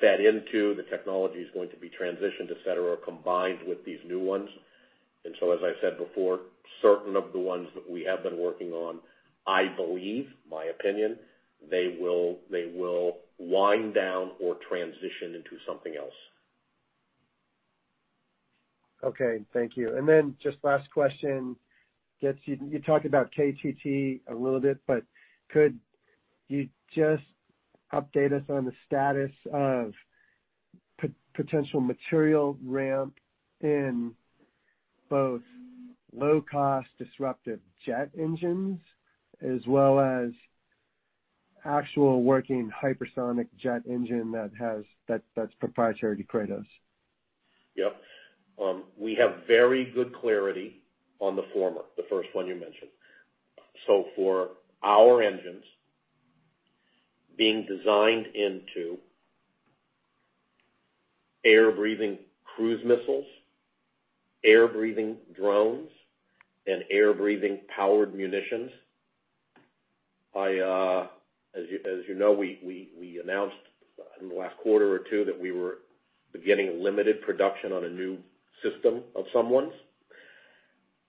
fed into, the technology is going to be transitioned, et cetera, combined with these new ones. As I said before, certain of the ones that we have been working on, I believe, my opinion, they will wind down or transition into something else. Okay. Thank you. Just last question gets to you. You talked about KTT a little bit, but could you just update us on the status of potential material ramp in both low cost disruptive jet engines as well as actual working hypersonic jet engine that's proprietary to Kratos? Yep. We have very good clarity on the former, the first one you mentioned. For our engines being designed into air-breathing cruise missiles, air-breathing drones, and air-breathing powered munitions, as you know, we announced in the last quarter or two that we were beginning limited production on a new system of some sort.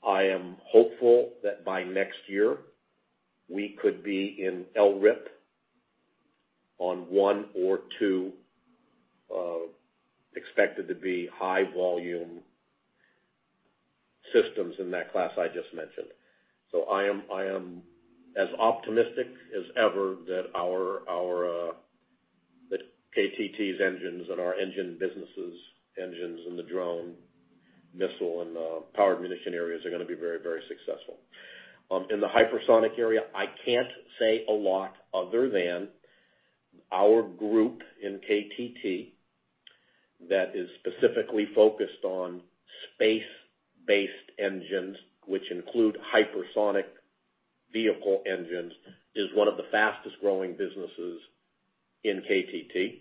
I am hopeful that by next year, we could be in LRIP on one or two expected to be high volume systems in that class I just mentioned. I am as optimistic as ever that KTT's engines and our engine businesses' engines in the drone, missile, and powered munition areas are gonna be very, very successful. In the hypersonic area, I can't say a lot other than our group in KTT that is specifically focused on space-based engines, which include hypersonic vehicle engines, is one of the fastest growing businesses in KTT.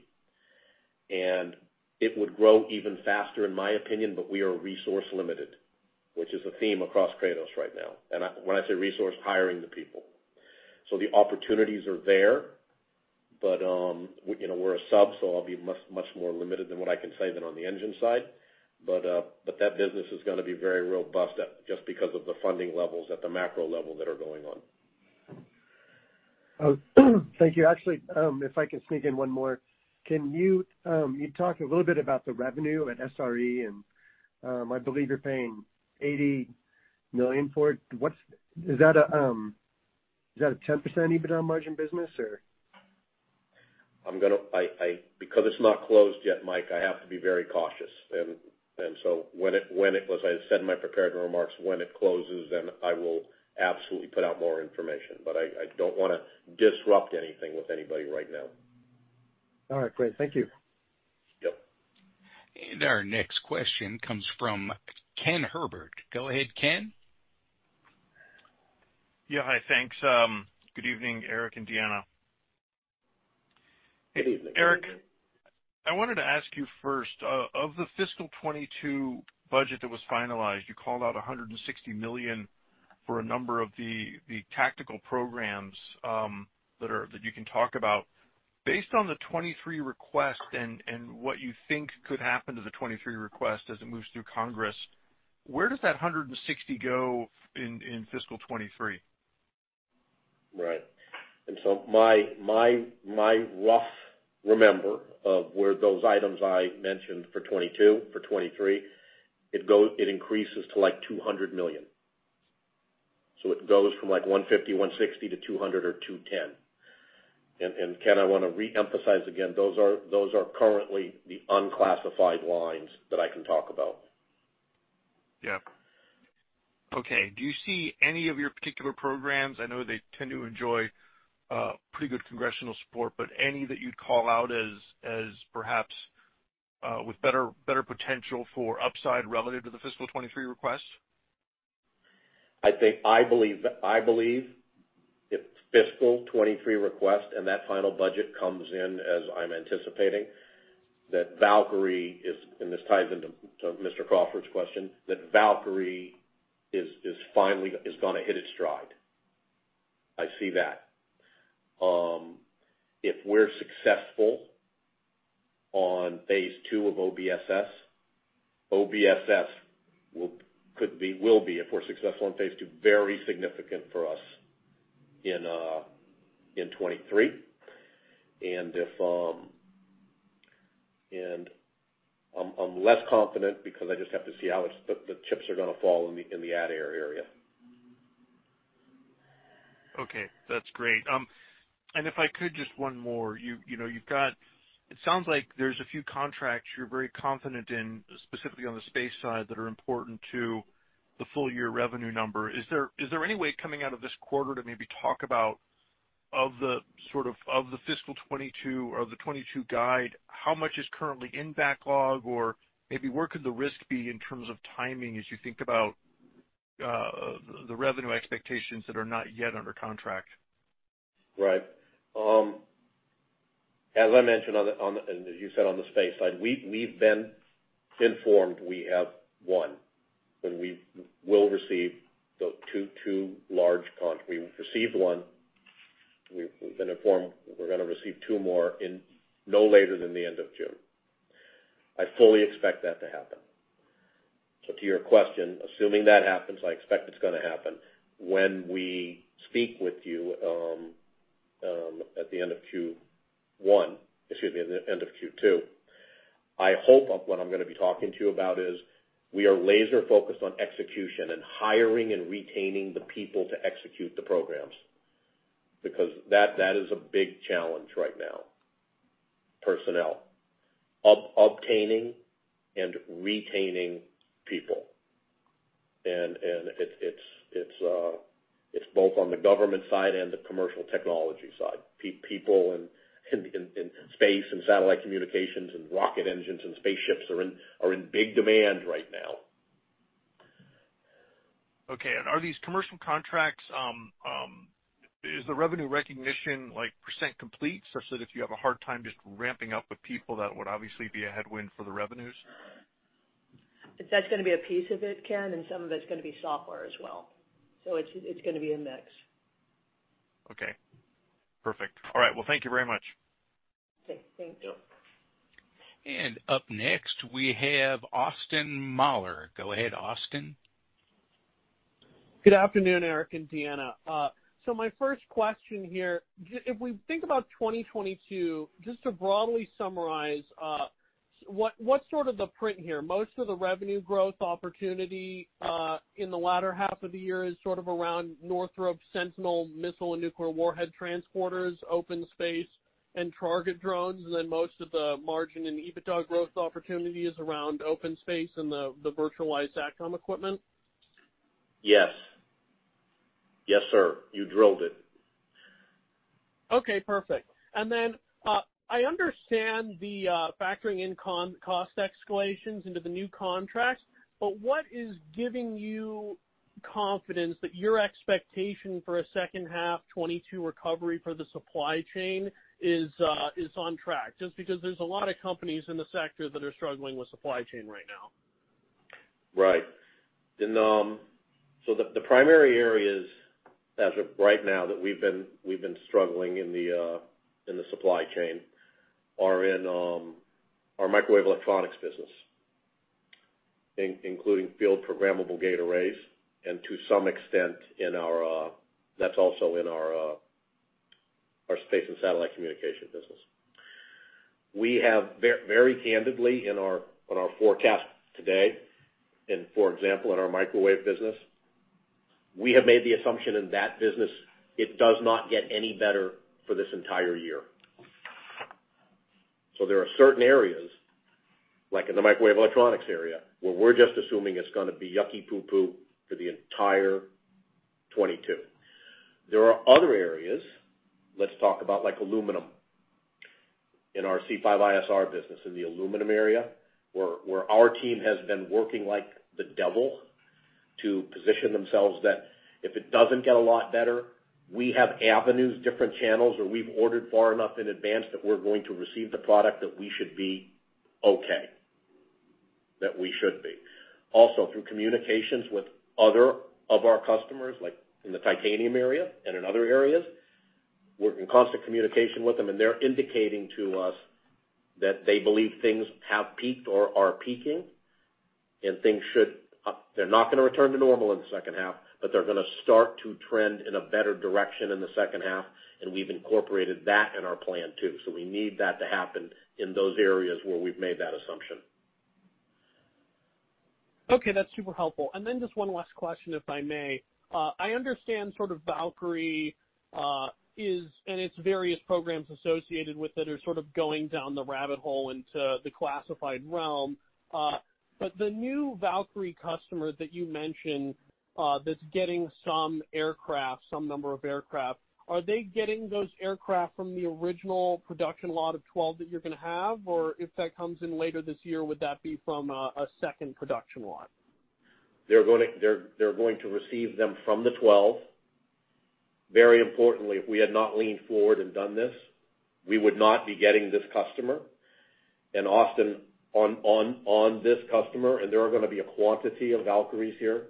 It would grow even faster, in my opinion, but we are resource limited, which is a theme across Kratos right now. When I say resource, hiring the people. The opportunities are there, but we, you know, we're a sub, so I'll be much, much more limited than what I can say than on the engine side. That business is gonna be very robust, just because of the funding levels at the macro level that are going on. Oh, thank you. Actually, if I can sneak in one more. Can you talked a little bit about the revenue at SRE and, I believe you're paying $80 million for it. Is that a 10% EBITDA margin business or? Because it's not closed yet, Mike, I have to be very cautious. When it closes, as I said in my prepared remarks, I will absolutely put out more information. I don't wanna disrupt anything with anybody right now. All right. Great. Thank you. Yep. Our next question comes from Ken Herbert. Go ahead, Ken. Yeah. Hi. Thanks. Good evening, Eric and Deanna. Good evening. Eric, I wanted to ask you first, of the fiscal 2022 budget that was finalized, you called out $160 million for a number of the tactical programs that you can talk about. Based on the 2023 request and what you think could happen to the 2023 request as it moves through Congress, where does that $160 million go in fiscal 2023? Right. My rough remembrance of where those items I mentioned for 2022, for 2023, it increases to like $200 million. It goes from like $150 million, $160 million-$200 million or $210 million. Ken, I wanna reemphasize again, those are currently the unclassified lines that I can talk about. Yeah. Okay. Do you see any of your particular programs? I know they tend to enjoy pretty good congressional support, but any that you'd call out as perhaps with better potential for upside relative to the fiscal 2023 request? I believe if fiscal 2023 request and that final budget comes in as I'm anticipating, and this ties into Mr. Crawford's question, that Valkyrie is finally gonna hit its stride. I see that. If we're successful on phase two of OBSS will be very significant for us in 2023. I'm less confident because I just have to see how the chips are gonna fall in the ADAIR area. Okay, that's great. If I could, just one more. You know, you've got, it sounds like there's a few contracts you're very confident in, specifically on the space side, that are important to the full year revenue number. Is there any way coming out of this quarter to maybe talk about the sort of the fiscal 2022 or the 2022 guide, how much is currently in backlog or maybe where could the risk be in terms of timing as you think about the revenue expectations that are not yet under contract? Right. As I mentioned, and as you said on the space side, we've been informed we have one, and we will receive the two large contracts. We've received one. We've been informed we're gonna receive two more no later than the end of June. I fully expect that to happen. To your question, assuming that happens, I expect it's gonna happen, when we speak with you at the end of Q1, excuse me, at the end of Q2, I hope of what I'm gonna be talking to you about is we are laser focused on execution and hiring and retaining the people to execute the programs because that is a big challenge right now, personnel. Obtaining and retaining people. It's both on the government side and the commercial technology side. People in space and satellite communications and rocket engines and spaceships are in big demand right now. Okay. Are these commercial contracts, is the revenue recognition like percent complete such that if you have a hard time just ramping up with people, that would obviously be a headwind for the revenues? That's gonna be a piece of it, Ken, and some of it's gonna be software as well. It's gonna be a mix. Okay. Perfect. All right. Well, thank you very much. Okay. Thank you. Up next, we have Austin Moeller. Go ahead, Austin. Good afternoon, Eric and Deanna. If we think about 2022, just to broadly summarize, what's sort of the print here? Most of the revenue growth opportunity in the latter half of the year is sort of around Northrop Grumman Sentinel missile and nuclear warhead transporters, OpenSpace and target drones, and then most of the margin and EBITDA growth opportunity is around OpenSpace and the virtualized SATCOM equipment? Yes. Yes, sir. You drilled it. Okay, perfect. I understand the factoring in cost escalations into the new contracts, but what is giving you confidence that your expectation for a second half 2022 recovery for the supply chain is on track? Just because there's a lot of companies in the sector that are struggling with supply chain right now. Right. The primary areas as of right now that we've been struggling in the supply chain are in our microwave electronics business, including field programmable gate arrays, and to some extent that's also in our space and satellite communication business. We have very candidly in our forecast today and, for example, in our microwave business, we have made the assumption in that business it does not get any better for this entire year. There are certain areas, like in the microwave electronics area, where we're just assuming it's gonna be yucky poo-poo for the entire 2022. There are other areas. Let's talk about like aluminum in our C5ISR business, in the aluminum area where our team has been working like the devil to position themselves that if it doesn't get a lot better, we have avenues, different channels where we've ordered far enough in advance that we're going to receive the product that we should be okay, that we should be. Also, through communications with other of our customers, like in the titanium area and in other areas, we're in constant communication with them and they're indicating to us that they believe things have peaked or are peaking. They're not gonna return to normal in the second half, but they're gonna start to trend in a better direction in the second half, and we've incorporated that in our plan too. We need that to happen in those areas where we've made that assumption. Okay. That's super helpful. Then just one last question, if I may. I understand sort of Valkyrie is, and its various programs associated with it are sort of going down the rabbit hole into the classified realm. But the new Valkyrie customer that you mentioned, that's getting some aircraft, some number of aircraft, are they getting those aircraft from the original production lot of 12 that you're gonna have? Or if that comes in later this year, would that be from a second production lot? They're going to receive them from the 12. Very importantly, if we had not leaned forward and done this, we would not be getting this customer. Austin, on this customer, there are gonna be a quantity of Valkyries here.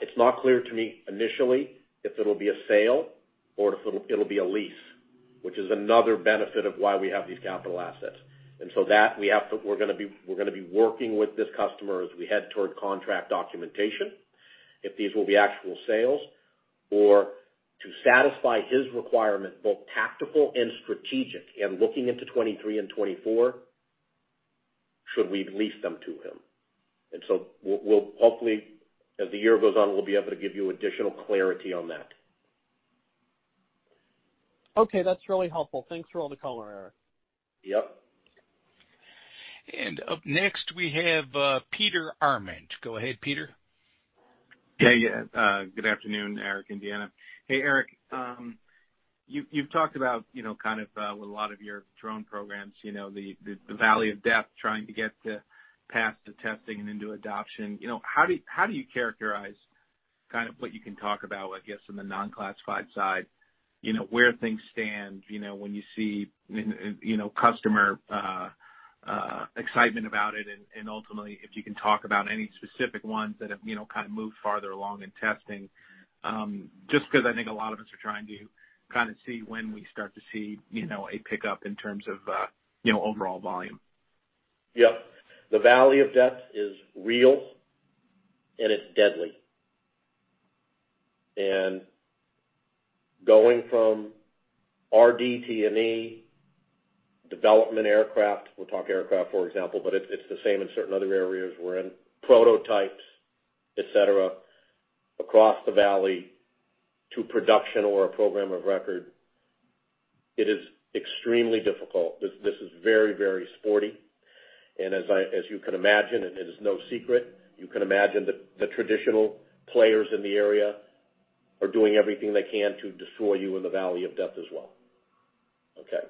It's not clear to me initially if it'll be a sale or if it'll be a lease, which is another benefit of why we have these capital assets. We're gonna be working with this customer as we head toward contract documentation, if these will be actual sales or to satisfy his requirement, both tactical and strategic, and looking into 2023 and 2024, should we lease them to him. We'll hopefully, as the year goes on, we'll be able to give you additional clarity on that. Okay. That's really helpful. Thanks for all the color, Eric. Yep. Up next, we have Peter Arment. Go ahead, Peter. Yeah. Good afternoon, Eric, Deanna. Hey, Eric, you've talked about, you know, kind of, with a lot of your drone programs, you know, the valley of death, trying to get past the testing and into adoption. You know, how do you characterize kind of what you can talk about, I guess, from the non-classified side, you know, where things stand, you know, when you see in customer excitement about it and ultimately if you can talk about any specific ones that have, you know, kind of moved farther along in testing? Just 'cause I think a lot of us are trying to kind of see when we start to see, you know, a pickup in terms of, you know, overall volume. Yep. The valley of death is real, and it's deadly. Going from RDT&E development aircraft, we'll talk aircraft, for example, but it's the same in certain other areas we're in, prototypes, et cetera, across the valley to production or a program of record, it is extremely difficult. This is very sporty. As you can imagine, it is no secret, you can imagine the traditional players in the area are doing everything they can to destroy you in the valley of death as well. Okay.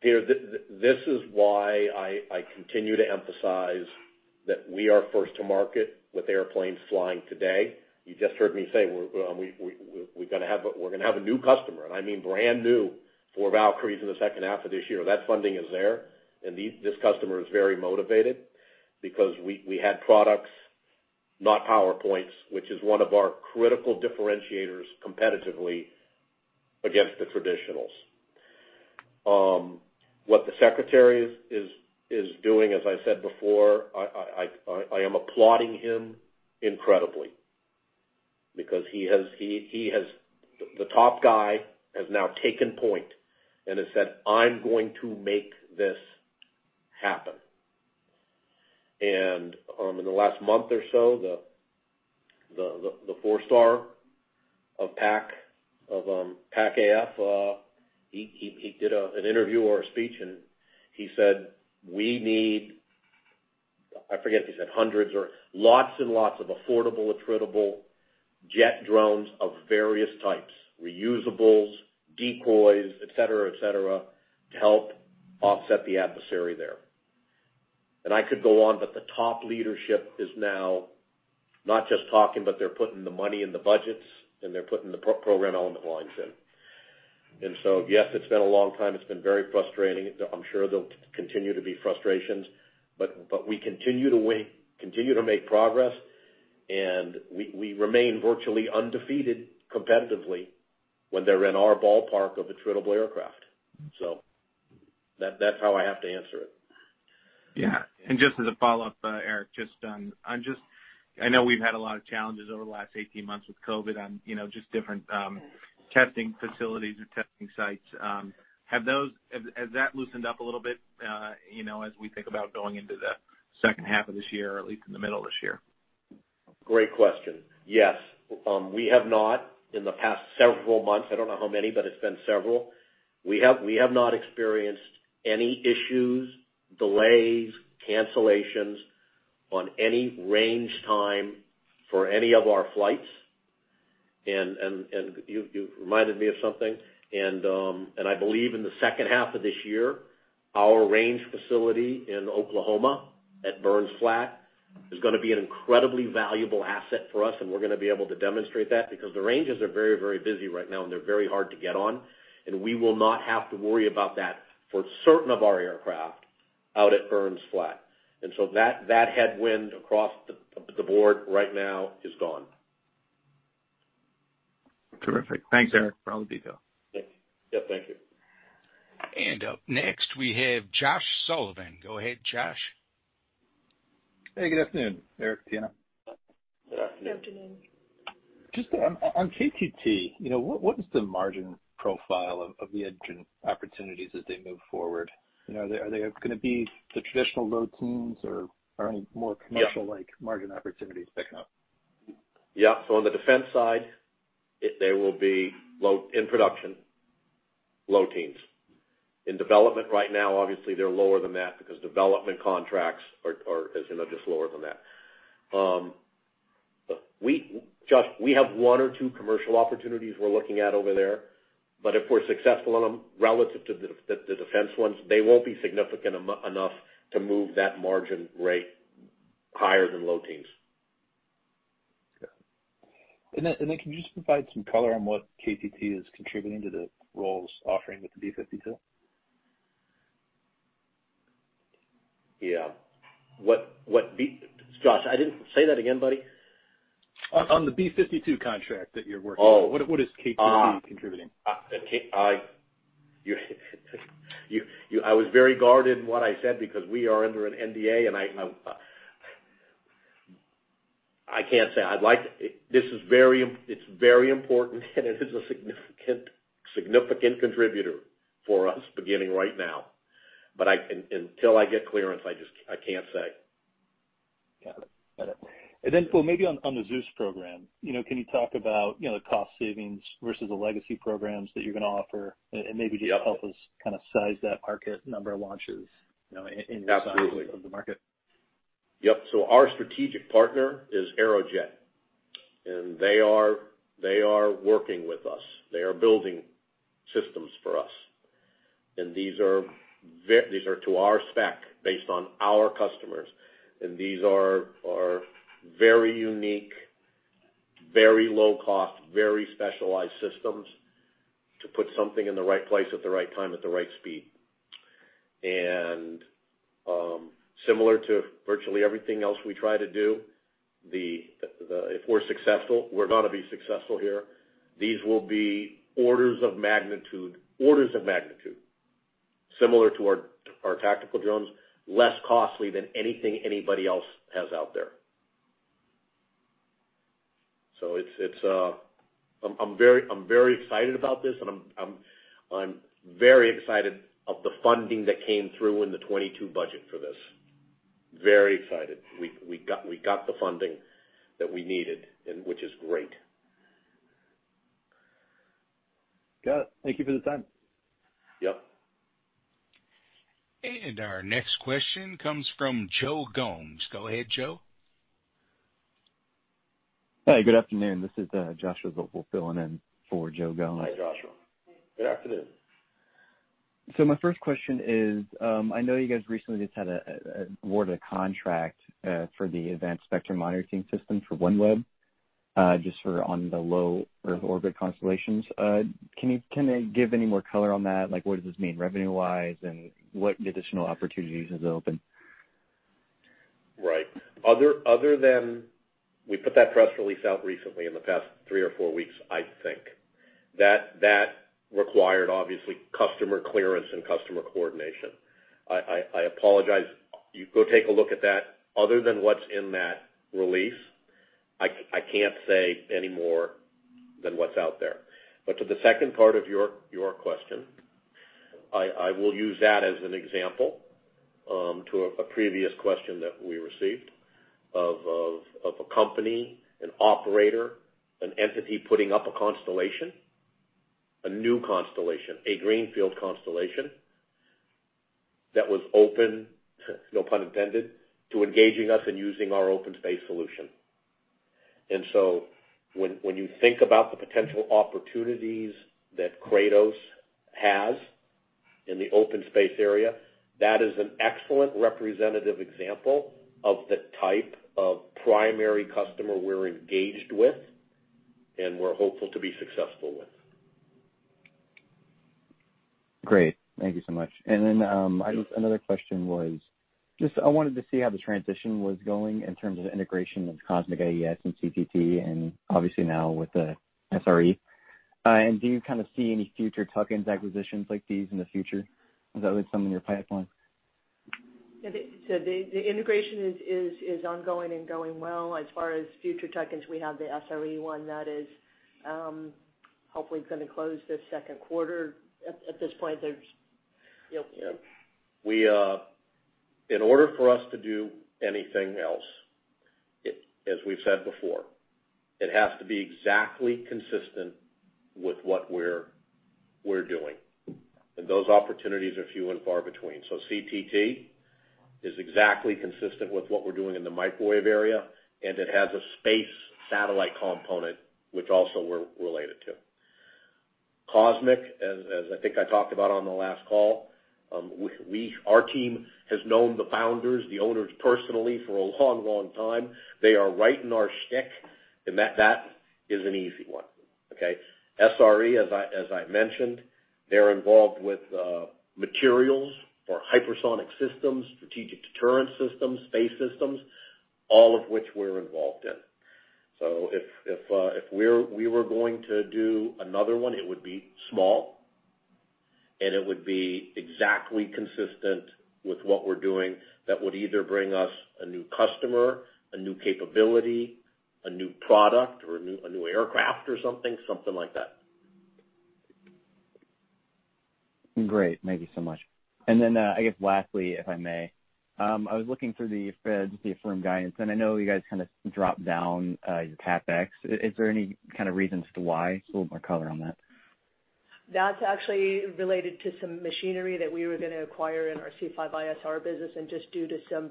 Peter, this is why I continue to emphasize that we are first to market with airplanes flying today. You just heard me say we're gonna have a new customer, and I mean brand new for Valkyries in the second half of this year. That funding is there, and this customer is very motivated because we had products, not PowerPoints, which is one of our critical differentiators competitively against the traditionals. What the Secretary is doing, as I said before, I am applauding him incredibly because he, the top guy, has now taken point and has said, "I'm going to make this happen." In the last month or so, the four-star of PAC AF did an interview or a speech, and he said, "We need," I forget if he said hundreds or lots and lots of affordable, attritable jet drones of various types, reusables, decoys, et cetera, to help offset the adversary there. I could go on, but the top leadership is now not just talking, but they're putting the money in the budgets, and they're putting the program element lines in. Yes, it's been a long time. It's been very frustrating. I'm sure there'll continue to be frustrations, but we continue to win, continue to make progress, and we remain virtually undefeated competitively when they're in our ballpark of attritable aircraft. That, that's how I have to answer it. Yeah. Just as a follow-up, Eric, just on, I know we've had a lot of challenges over the last 18 months with COVID on just different testing facilities or testing sites. Has that loosened up a little bit as we think about going into the second half of this year, or at least in the middle of this year? Great question. Yes. We have not, in the past several months, I don't know how many, but it's been several. We have not experienced any issues, delays, cancellations on any range time for any of our flights. You, you've reminded me of something. I believe in the second half of this year, our range facility in Oklahoma at Burns Flat is gonna be an incredibly valuable asset for us, and we're gonna be able to demonstrate that because the ranges are very, very busy right now, and they're very hard to get on. We will not have to worry about that for certain of our aircraft out at Burns Flat. So that headwind across the board right now is gone. Terrific. Thanks, Eric, for all the detail. Thanks. Yep. Thank you. Up next, we have Josh Sullivan. Go ahead, Josh. Hey, good afternoon, Eric, Deanna. Good afternoon. Good afternoon. Just on KTT, you know, what is the margin profile of the engine opportunities as they move forward? You know, are they gonna be the traditional low teens% or are any more commercial-like margin opportunities picking up? Yeah. They will be low teens in production. In development right now, obviously, they're lower than that because development contracts are, as you know, just lower than that. Josh, we have one or two commercial opportunities we're looking at over there, but if we're successful in them, relative to the defense ones, they won't be significant enough to move that margin rate higher than low teens. Can you just provide some color on what KTT is contributing to the Rolls offering with the B-52? Yeah. Josh, say that again, buddy. On the B-52 contract that you're working on. Oh. What is KTT contributing? I was very guarded in what I said because we are under an NDA, and I can't say. This is very important, and it is a significant contributor for us beginning right now. Until I get clearance, I just can't say. Got it. Then maybe on the Zeus program, you know, can you talk about, you know, the cost savings versus the legacy programs that you're gonna offer and maybe just help us kinda size that market number of launches, you know, in the- Absolutely. Size of the market. Yep. Our strategic partner is Aerojet, and they are working with us. They are building systems for us. These are to our spec based on our customers. These are very unique, very low cost, very specialized systems to put something in the right place at the right time, at the right speed. Similar to virtually everything else we try to do, if we're successful, we're gonna be successful here. These will be orders of magnitude similar to our tactical drones, less costly than anything anybody else has out there. I'm very excited about this, and I'm very excited about the funding that came through in the 2022 budget for this. Very excited. We got the funding that we needed and which is great. Got it. Thank you for the time. Yep. Our next question comes from Joe Gomes. Go ahead, Joe. Hey, good afternoon. This is Joshua Zoepfel filling in for Joe Gomes. Hi, Joshua. Good afternoon. My first question is, I know you guys recently awarded a contract for the advanced spectrum monitoring system for OneWeb, just for on the low Earth orbit constellations. Can you give any more color on that? Like, what does this mean revenue-wise, and what additional opportunities does it open? Right. Other than we put that press release out recently in the past three or four weeks, I think. That required obviously customer clearance and customer coordination. I apologize. You go take a look at that. Other than what's in that release, I can't say any more than what's out there. To the second part of your question, I will use that as an example, to a previous question that we received of a company, an operator, an entity putting up a constellation, a new constellation, a greenfield constellation that was open, no pun intended, to engaging us and using our OpenSpace solution. When you think about the potential opportunities that Kratos has in the OpenSpace area, that is an excellent representative example of the type of primary customer we're engaged with and we're hopeful to be successful with. Great. Thank you so much. Another question. I just wanted to see how the transition was going in terms of integration of Cosmic AES and CTT, and obviously now with the SRE. Do you kind of see any future tuck-ins, acquisitions like these in the future? Is that something in your pipeline? The integration is ongoing and going well. As far as future tuck-ins, we have the SRE one that is hopefully gonna close this second quarter. At this point, there's you know- Yeah. We in order for us to do anything else, as we've said before, it has to be exactly consistent with what we're doing. Those opportunities are few and far between. CTT is exactly consistent with what we're doing in the microwave area, and it has a space satellite component which also we're related to. Cosmic, as I think I talked about on the last call, we our team has known the founders, the owners personally for a long, long time. They are right in our shtick, and that is an easy one. Okay? SRE, as I mentioned, they're involved with materials for hypersonic systems, strategic deterrence systems, space systems. All of which we're involved in. If we were going to do another one, it would be small, and it would be exactly consistent with what we're doing that would either bring us a new customer, a new capability, a new product, or a new aircraft or something like that. Great. Thank you so much. I guess lastly, if I may, I was looking through the deck, the affirmed guidance, and I know you guys kind of dropped down your CapEx. Is there any kind of reasons to why? A little more color on that. That's actually related to some machinery that we were gonna acquire in our C5ISR business, and just due to some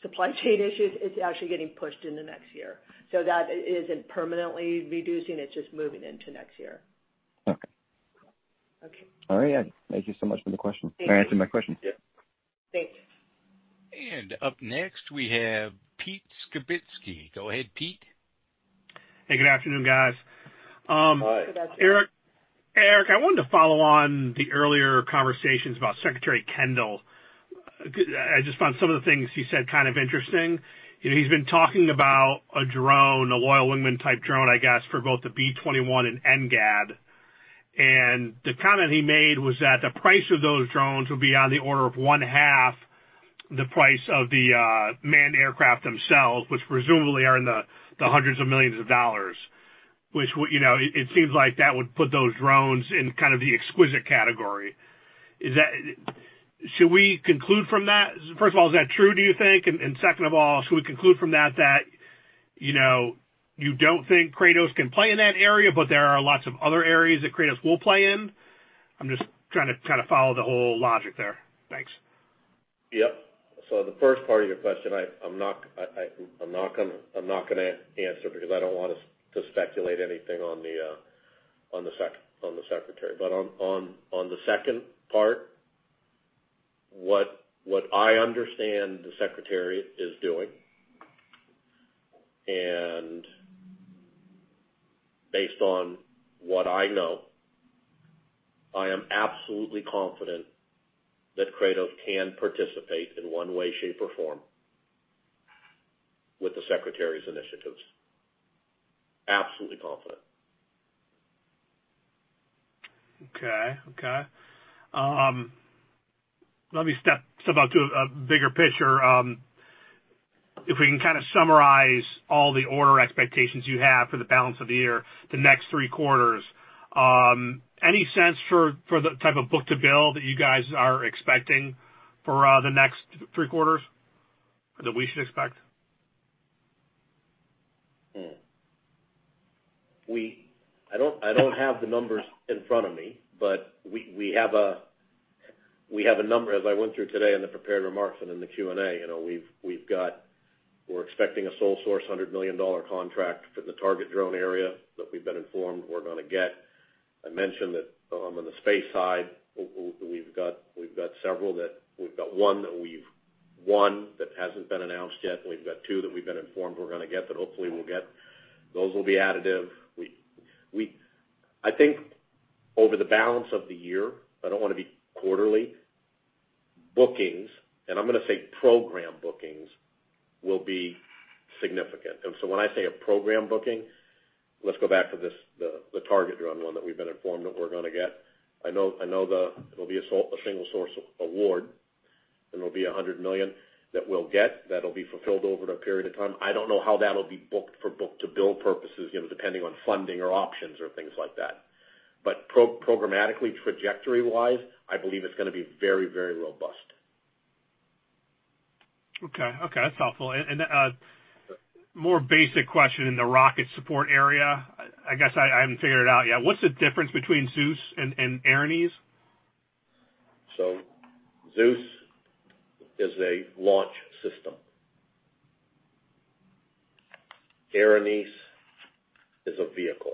supply chain issues, it's actually getting pushed into next year. That isn't permanently reducing it's just moving into next year. Okay. Okay. All right. Thank you so much for the question. Thank you. For answering my question. Yeah. Thanks. Up next, we have Pete Skibitski. Go ahead, Pete. Hey, good afternoon, guys. Eric- Hi. Eric, I wanted to follow on the earlier conversations about Secretary Kendall. I just found some of the things he said kind of interesting. You know, he's been talking about a drone, a loyal wingman type drone, I guess, for both the B-21 and NGAD. The comment he made was that the price of those drones would be on the order of 1/2 the price of the manned aircraft themselves, which presumably are in the hundreds of millions of dollars. You know, it seems like that would put those drones in kind of the exquisite category. Should we conclude from that? First of all, is that true, do you think? Second of all, should we conclude from that that, you know, you don't think Kratos can play in that area, but there are lots of other areas that Kratos will play in? I'm just trying to kind of follow the whole logic there. Thanks. Yep. The first part of your question, I'm not gonna answer because I don't want us to speculate anything on the secretary. On the second part, what I understand the secretary is doing, and based on what I know, I am absolutely confident that Kratos can participate in one way, shape, or form with the secretary's initiatives. Absolutely confident. Okay. Let me step out to a bigger picture. If we can kind of summarize all the order expectations you have for the balance of the year, the next three quarters, any sense for the type of book-to-bill that you guys are expecting for the next three quarters, or that we should expect? I don't have the numbers in front of me, but we have a number as I went through today in the prepared remarks and in the Q&A. You know, we're expecting a sole source $100 million contract for the target drone area that we've been informed we're gonna get. I mentioned that, on the space side, we've got several that. We've got one that hasn't been announced yet, and we've got two that we've been informed we're gonna get, that hopefully we'll get. Those will be additive. I think over the balance of the year, I don't wanna be quarterly bookings, and I'm gonna say program bookings, will be significant. When I say a program booking, let's go back to this, the target drone one that we've been informed that we're gonna get. I know. It'll be a single source award, and it'll be $100 million that we'll get. That'll be fulfilled over a period of time. I don't know how that'll be booked for book to bill purposes, you know, depending on funding or options or things like that. But programmatically, trajectory-wise, I believe it's gonna be very, very robust. Okay. Okay, that's helpful. More basic question in the rocket support area, I guess I haven't figured it out yet. What's the difference between Zeus and Erinyes? Zeus is a launch system. Erinyes is a vehicle.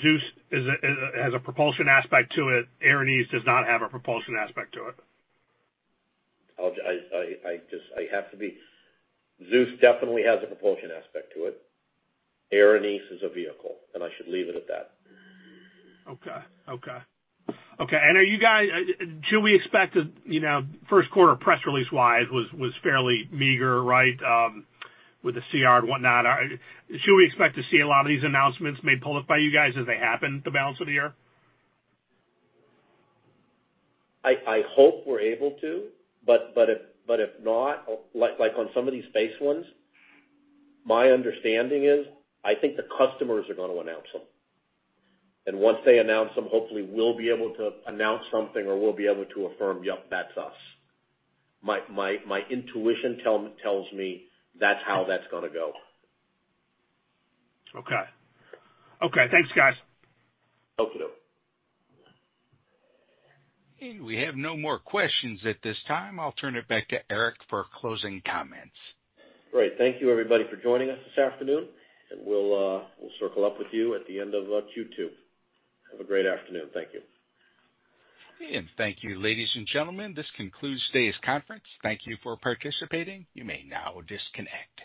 Zeus has a propulsion aspect to it, Erinyes does not have a propulsion aspect to it? I just have to be. Zeus definitely has a propulsion aspect to it. Erinyes is a vehicle, and I should leave it at that. Okay, should we expect a, you know, first quarter press release-wise was fairly meager, right, with the CR and whatnot. Should we expect to see a lot of these announcements made public by you guys as they happen the balance of the year? I hope we're able to, but if not, like on some of these space ones, my understanding is, I think the customers are gonna announce them. Once they announce them, hopefully we'll be able to announce something or we'll be able to affirm, "Yep, that's us." My intuition tells me that's how that's gonna go. Okay. Okay, thanks, guys. Okey-doke. We have no more questions at this time. I'll turn it back to Eric for closing comments. Great. Thank you everybody for joining us this afternoon, and we'll circle up with you at the end of Q2. Have a great afternoon. Thank you. Thank you, ladies and gentlemen. This concludes today's conference. Thank you for participating. You may now disconnect.